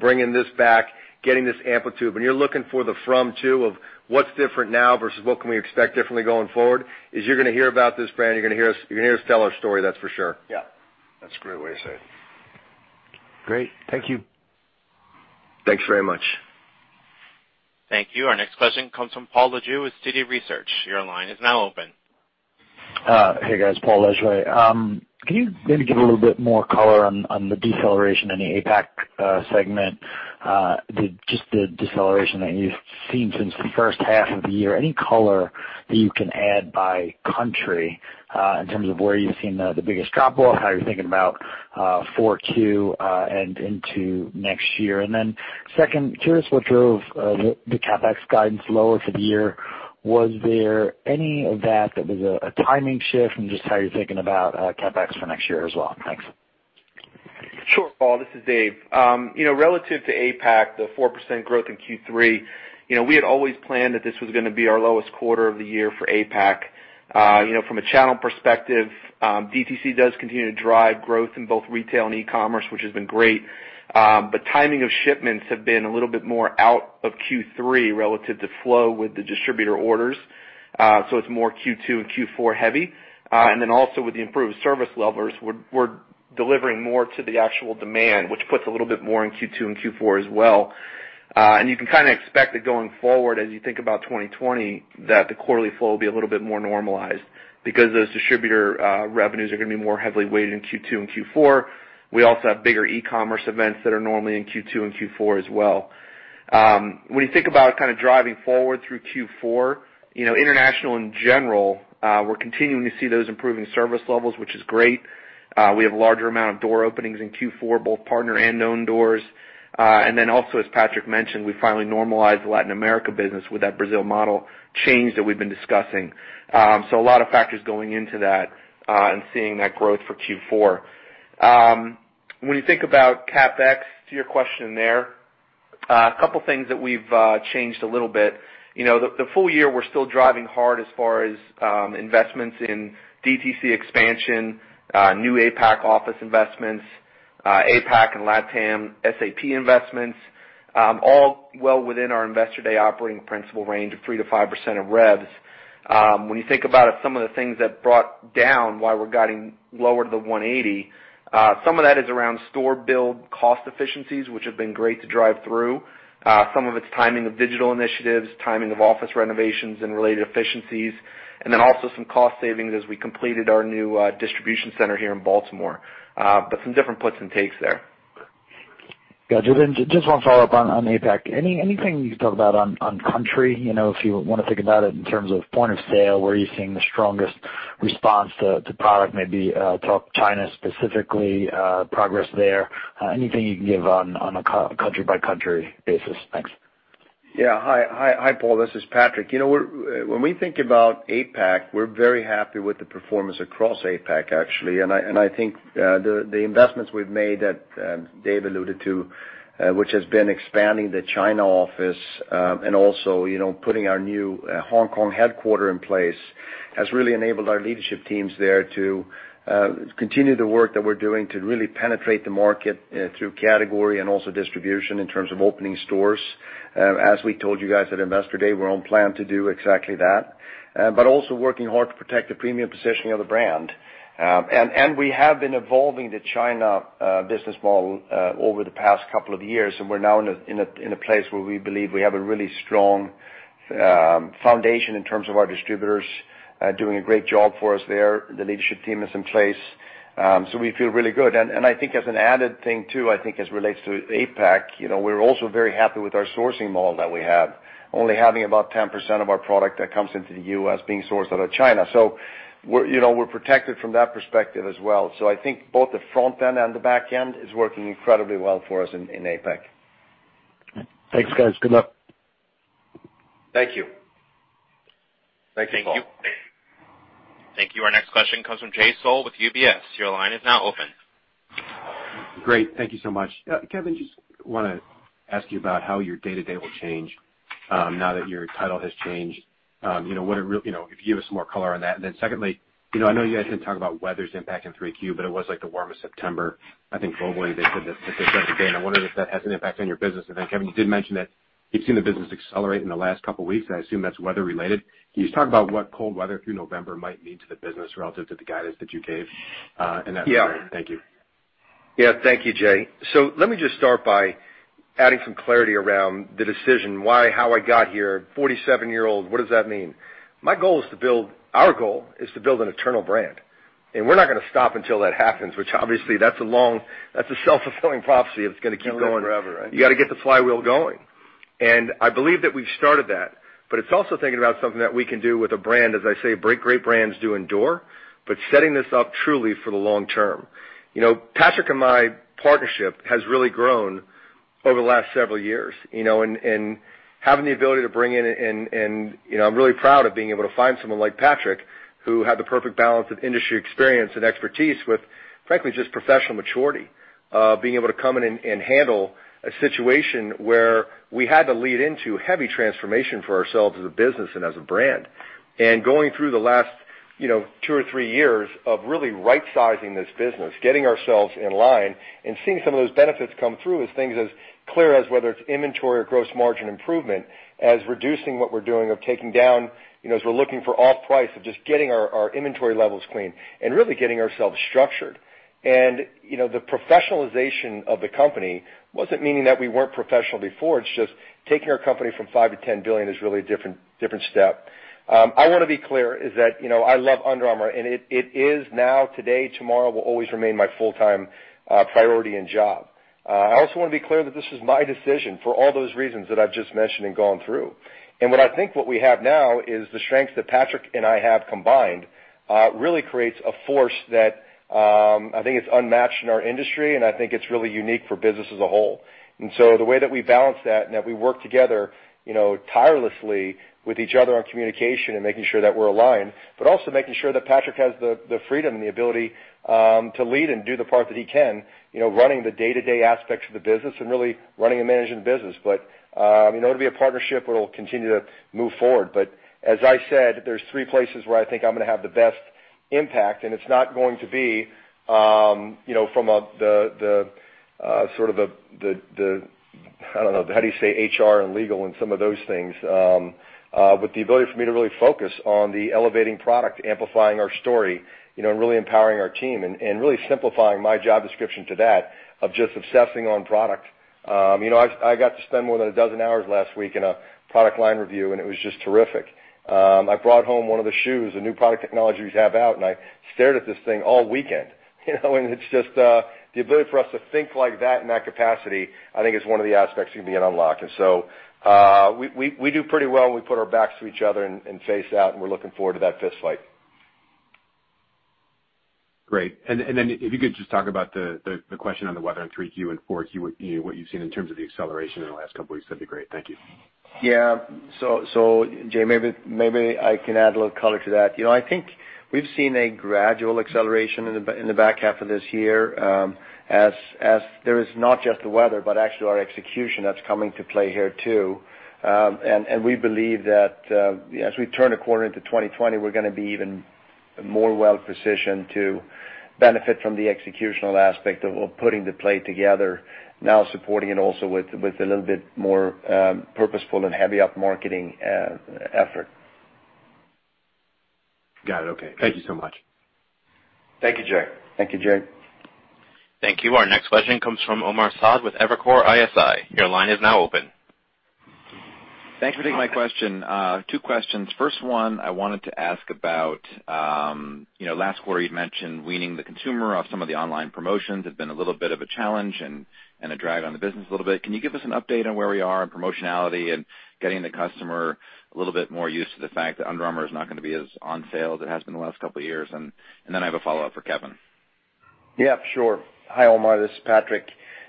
Bringing this back, getting this amplitude, when you're looking for the from to of what's different now versus what can we expect differently going forward, is you're going to hear about this brand, you're going to hear us tell our story, that's for sure. Yeah. That's a great way to say it. Great. Thank you. Thanks very much. Thank you. Our next question comes from Paul Lejuez with Citi Research. Your line is now open. Hey, guys. Paul Lejuez. Can you maybe give a little bit more color on the deceleration in the APAC segment? Just the deceleration that you've seen since the first half of the year. Any color that you can add by country in terms of where you've seen the biggest drop-off, how you're thinking about Q4 and into next year? Second, curious what drove the CapEx guidance lower for the year. Was there any of that that was a timing shift from just how you're thinking about CapEx for next year as well? Thanks. Sure, Paul, this is Dave. Relative to APAC, the 4% growth in Q3, we had always planned that this was going to be our lowest quarter of the year for APAC. From a channel perspective, DTC does continue to drive growth in both retail and e-commerce, which has been great. Timing of shipments have been a little bit more out of Q3 relative to flow with the distributor orders. It's more Q2 and Q4 heavy. Also with the improved service levels, we're delivering more to the actual demand, which puts a little bit more in Q2 and Q4 as well. You can kind of expect that going forward as you think about 2020, that the quarterly flow will be a little bit more normalized because those distributor revenues are going to be more heavily weighted in Q2 and Q4. We also have bigger e-commerce events that are normally in Q2 and Q4 as well. When you think about driving forward through Q4, international in general, we're continuing to see those improving service levels, which is great. We have a larger amount of door openings in Q4, both partner and known doors. As Patrik mentioned, we finally normalized the Latin America business with that Brazil model change that we've been discussing. A lot of factors going into that and seeing that growth for Q4. When you think about CapEx, to your question there, a couple things that we've changed a little bit. The full year, we're still driving hard as far as investments in DTC expansion, new APAC office investments, APAC and LATAM SAP investments, all well within our Investor Day operating principle range of 3% to 5% of revs. When you think about it, some of the things that brought down why we're guiding lower to the 180, some of that is around store build cost efficiencies, which have been great to drive through. Some of it's timing of digital initiatives, timing of office renovations and related efficiencies, and then also some cost savings as we completed our new distribution center here in Baltimore. Some different puts and takes there. Gotcha. Just one follow-up on APAC. Anything you can talk about on country? If you want to think about it in terms of point of sale, where are you seeing the strongest response to product, maybe talk China specifically, progress there. Anything you can give on a country-by-country basis? Thanks. Hi, Paul. This is Patrik. When we think about APAC, we're very happy with the performance across APAC, actually. I think the investments we've made that David alluded to, which has been expanding the China office and also putting our new Hong Kong headquarter in place, has really enabled our leadership teams there to continue the work that we're doing to really penetrate the market through category and also distribution in terms of opening stores. As we told you guys at Investor Day, we're on plan to do exactly that. Also working hard to protect the premium positioning of the brand. We have been evolving the China business model over the past couple of years, and we're now in a place where we believe we have a really strong foundation in terms of our distributors doing a great job for us there. The leadership team is in place, we feel really good. I think as an added thing, too, I think as relates to APAC, we're also very happy with our sourcing model that we have. Only having about 10% of our product that comes into the U.S. being sourced out of China. We're protected from that perspective as well. I think both the front end and the back end is working incredibly well for us in APAC. Thanks, guys. Good luck. Thank you. Thanks, Paul. Thank you. Our next question comes from Jay Sole with UBS. Your line is now open. Great. Thank you so much. Kevin, just want to ask you about how your day-to-day will change now that your title has changed. If you give us more color on that. Secondly, I know you guys didn't talk about weather's impact in 3Q, but it was like the warmest September, I think globally they said today, and I wondered if that has an impact on your business. Kevin, you did mention that you've seen the business accelerate in the last couple of weeks, and I assume that's weather related. Can you just talk about what cold weather through November might mean to the business relative to the guidance that you gave in that regard? Thank you. Yeah. Thank you, Jay. Let me just start by adding some clarity around the decision why, how I got here, 47-year-old, what does that mean? Our goal is to build an eternal brand, and we're not going to stop until that happens, which obviously that's a self-fulfilling prophecy that's going to keep going. Going forever, right? You got to get the flywheel going. I believe that we've started that, but it's also thinking about something that we can do with a brand, as I say, great brands do endure, but setting this up truly for the long term. Patrik and my partnership has really grown over the last several years, and having the ability to bring in, and I'm really proud of being able to find someone like Patrik, who had the perfect balance of industry experience and expertise with, frankly, just professional maturity of being able to come in and handle a situation where we had to lead into heavy transformation for ourselves as a business and as a brand. Going through the last two or three years of really right-sizing this business, getting ourselves in line, and seeing some of those benefits come through as things as clear as whether it's inventory or gross margin improvement, as reducing what we're doing or taking down as we're looking for off price of just getting our inventory levels clean and really getting ourselves structured. The professionalization of the company wasn't meaning that we weren't professional before. It's just taking our company from $5 billion-$10 billion is really a different step. I want to be clear is that I love Under Armour, and it is now, today, tomorrow, will always remain my full-time priority and job. I also want to be clear that this is my decision for all those reasons that I've just mentioned and gone through. What I think what we have now is the strength that Patrik and I have combined really creates a force that, I think it's unmatched in our industry, and I think it's really unique for business as a whole. So the way that we balance that and that we work together tirelessly with each other on communication and making sure that we're aligned, but also making sure that Patrik has the freedom and the ability to lead and do the part that he can, running the day-to-day aspects of the business and really running and managing the business. In order to be a partnership, it'll continue to move forward. As I said, there's three places where I think I'm going to have the best impact, and it's not going to be from the, how do you say, HR and legal and some of those things. The ability for me to really focus on the elevating product, amplifying our story, and really empowering our team and really simplifying my job description to that of just obsessing on product. I got to spend more than a dozen hours last week in a product line review, and it was just terrific. I brought home one of the shoes, a new product technology we have out, and I stared at this thing all weekend. It's just the ability for us to think like that in that capacity, I think is one of the aspects you can be unlocked. We do pretty well when we put our backs to each other and face out, and we're looking forward to that fist fight. Great. Then if you could just talk about the question on the weather in 3Q and 4Q, what you've seen in terms of the acceleration in the last couple of weeks, that'd be great. Thank you. Yeah. Jay, maybe I can add a little color to that. I think we've seen a gradual acceleration in the back half of this year. As there is not just the weather, but actually our execution that's coming to play here, too. We believe that as we turn a quarter into 2020, we're going to be even more well-positioned to benefit from the executional aspect of putting the play together, now supporting it also with a little bit more purposeful and heavy up-marketing effort. Got it. Okay. Thank you so much. Thank you, Jay. Thank you, Jay. Thank you. Our next question comes from Omar Saad with Evercore ISI. Your line is now open. Thanks for taking my question. Two questions. First one, I wanted to ask about last quarter you'd mentioned weaning the consumer off some of the online promotions had been a little bit of a challenge and a drag on the business a little bit. Can you give us an update on where we are on promotionality and getting the customer a little bit more used to the fact that Under Armour is not going to be as on sale as it has been the last couple of years? I have a follow-up for Kevin. Yeah, sure. Hi, Omar, this is Patrik.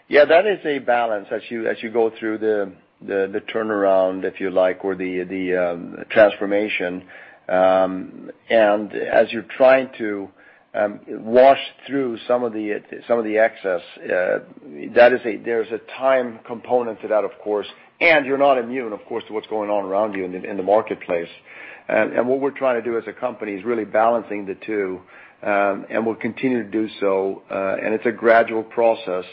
That is a balance as you go through the turnaround, if you like, or the transformation. As you're trying to wash through some of the excess, there's a time component to that, of course. You're not immune, of course, to what's going on around you in the marketplace. What we're trying to do as a company is really balancing the two. We'll continue to do so. It's a gradual process.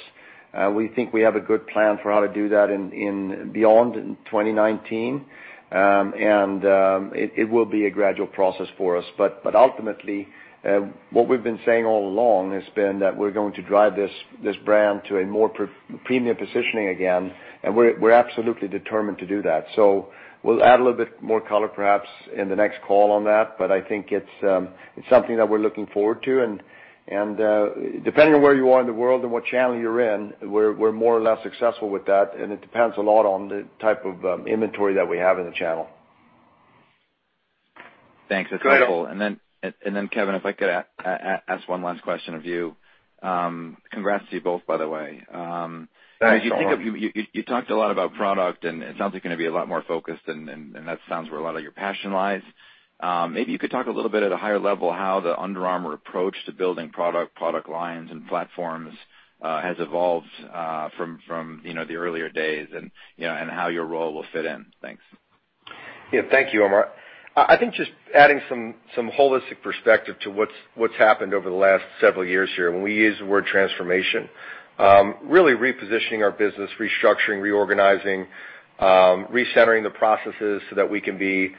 We think we have a good plan for how to do that beyond 2019. It will be a gradual process for us. Ultimately, what we've been saying all along has been that we're going to drive this brand to a more premium positioning again. We're absolutely determined to do that. We'll add a little bit more color perhaps in the next call on that, but I think it's something that we're looking forward to. Depending on where you are in the world and what channel you're in, we're more or less successful with that, and it depends a lot on the type of inventory that we have in the channel. Thanks. Go ahead. That's helpful. Then Kevin, if I could ask one last question of you. Congrats to you both, by the way. Thanks, Omar. You talked a lot about product, and it sounds like you're going to be a lot more focused, and that sounds where a lot of your passion lies. Maybe you could talk a little bit at a higher level how the Under Armour approach to building product lines, and platforms has evolved from the earlier days and how your role will fit in. Thanks. Yeah, thank you, Omar. I think just adding some holistic perspective to what's happened over the last several years here, when we use the word transformation, really repositioning our business, restructuring, reorganizing, recentering the processes so that we can be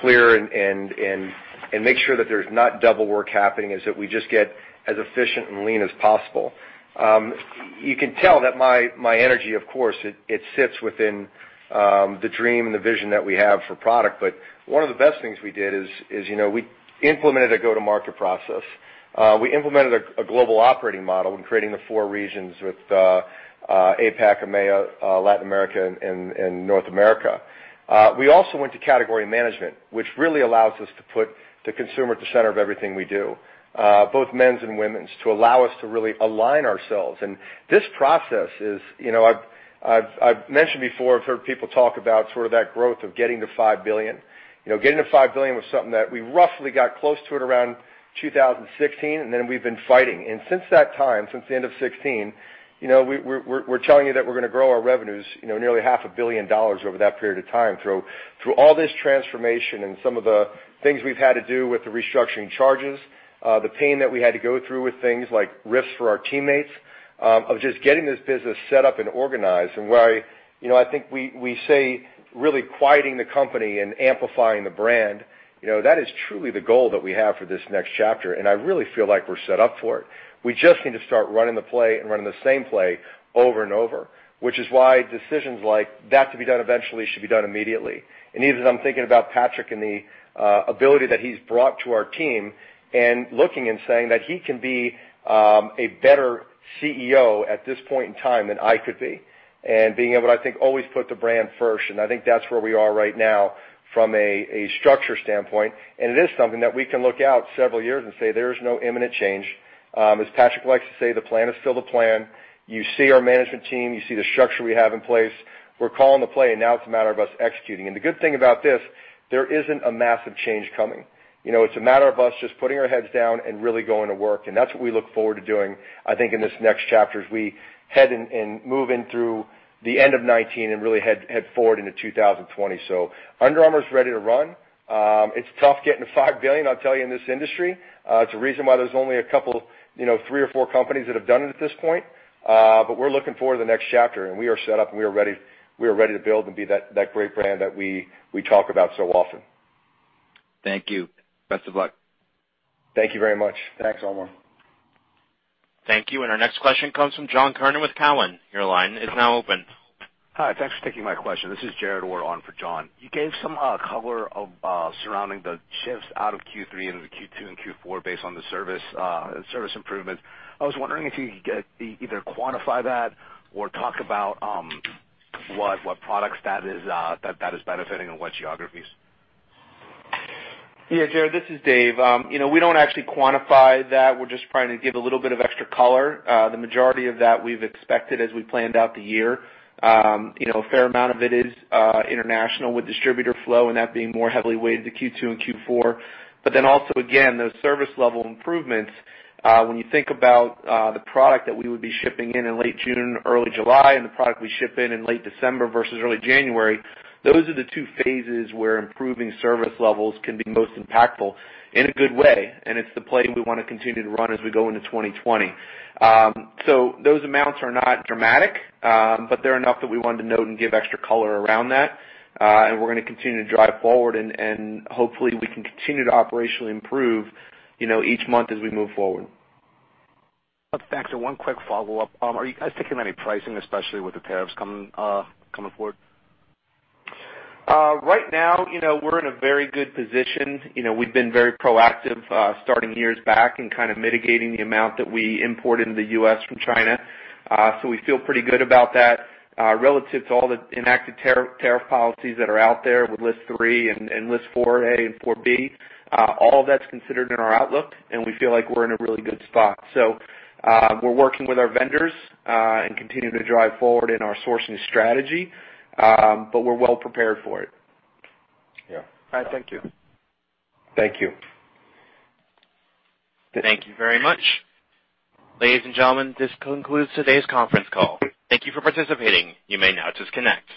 clear and make sure that there's not double work happening, is that we just get as efficient and lean as possible. You can tell that my energy, of course, it sits within the dream and the vision that we have for product. One of the best things we did is we implemented a go-to-market process. We implemented a global operating model in creating the four regions with APAC, EMEA, Latin America, and North America. We also went to category management, which really allows us to put the consumer at the center of everything we do, both men's and women's, to allow us to really align ourselves. This process is, I've mentioned before, I've heard people talk about sort of that growth of getting to $5 billion. Getting to $5 billion was something that we roughly got close to it around 2016, and then we've been fighting. Since that time, since the end of 2016, we're telling you that we're going to grow our revenues nearly half a billion dollars over that period of time through all this transformation and some of the things we've had to do with the restructuring charges, the pain that we had to go through with things like risks for our teammates, of just getting this business set up and organized. I think we say really quieting the company and amplifying the brand. That is truly the goal that we have for this next chapter, and I really feel like we're set up for it. We just need to start running the play and running the same play over and over, which is why decisions like that to be done eventually should be done immediately. Even as I'm thinking about Patrik and the ability that he's brought to our team and looking and saying that he can be a better CEO at this point in time than I could be, and being able, I think, always put the brand first, and I think that's where we are right now from a structure standpoint. It is something that we can look out several years and say, "There is no imminent change." As Patrik likes to say, the plan is still the plan. You see our management team, you see the structure we have in place. We're calling the play, and now it's a matter of us executing. The good thing about this, there isn't a massive change coming. It's a matter of us just putting our heads down and really going to work, and that's what we look forward to doing, I think, in this next chapter as we head and move in through the end of 2019 and really head forward into 2020. Under Armour's ready to run. It's tough getting to $5 billion, I'll tell you, in this industry. It's the reason why there's only a couple, three or four companies that have done it at this point. We're looking forward to the next chapter, and we are set up, and we are ready to build and be that great brand that we talk about so often. Thank you. Best of luck. Thank you very much. Thanks, Omar. Thank you. Our next question comes from John Kernan with Cowen. Your line is now open. Hi. Thanks for taking my question. This is Jared on for John. You gave some color surrounding the shifts out of Q3 into Q2 and Q4 based on the service improvements. I was wondering if you could either quantify that or talk about what products that is benefiting and what geographies? Yeah, Jared, this is Dave. We don't actually quantify that. We're just trying to give a little bit of extra color. The majority of that we've expected as we planned out the year. A fair amount of it is international with distributor flow and that being more heavily weighted to Q2 and Q4. Also, again, those service level improvements, when you think about the product that we would be shipping in in late June, early July, and the product we ship in in late December versus early January, those are the two phases where improving service levels can be most impactful in a good way, and it's the play we want to continue to run as we go into 2020. Those amounts are not dramatic, but they're enough that we wanted to note and give extra color around that. We're going to continue to drive forward, and hopefully, we can continue to operationally improve each month as we move forward. Thanks. One quick follow-up. Are you guys taking any pricing, especially with the tariffs coming forward? Right now, we're in a very good position. We've been very proactive starting years back and kind of mitigating the amount that we import into the U.S. from China. We feel pretty good about that. Relative to all the inactive tariff policies that are out there with list three and list 4A and 4B, all of that's considered in our outlook, and we feel like we're in a really good spot. We're working with our vendors and continuing to drive forward in our sourcing strategy, but we're well prepared for it. Yeah. All right. Thank you. Thank you. Thank you very much. Ladies and gentlemen, this concludes today's conference call. Thank you for participating. You may now disconnect.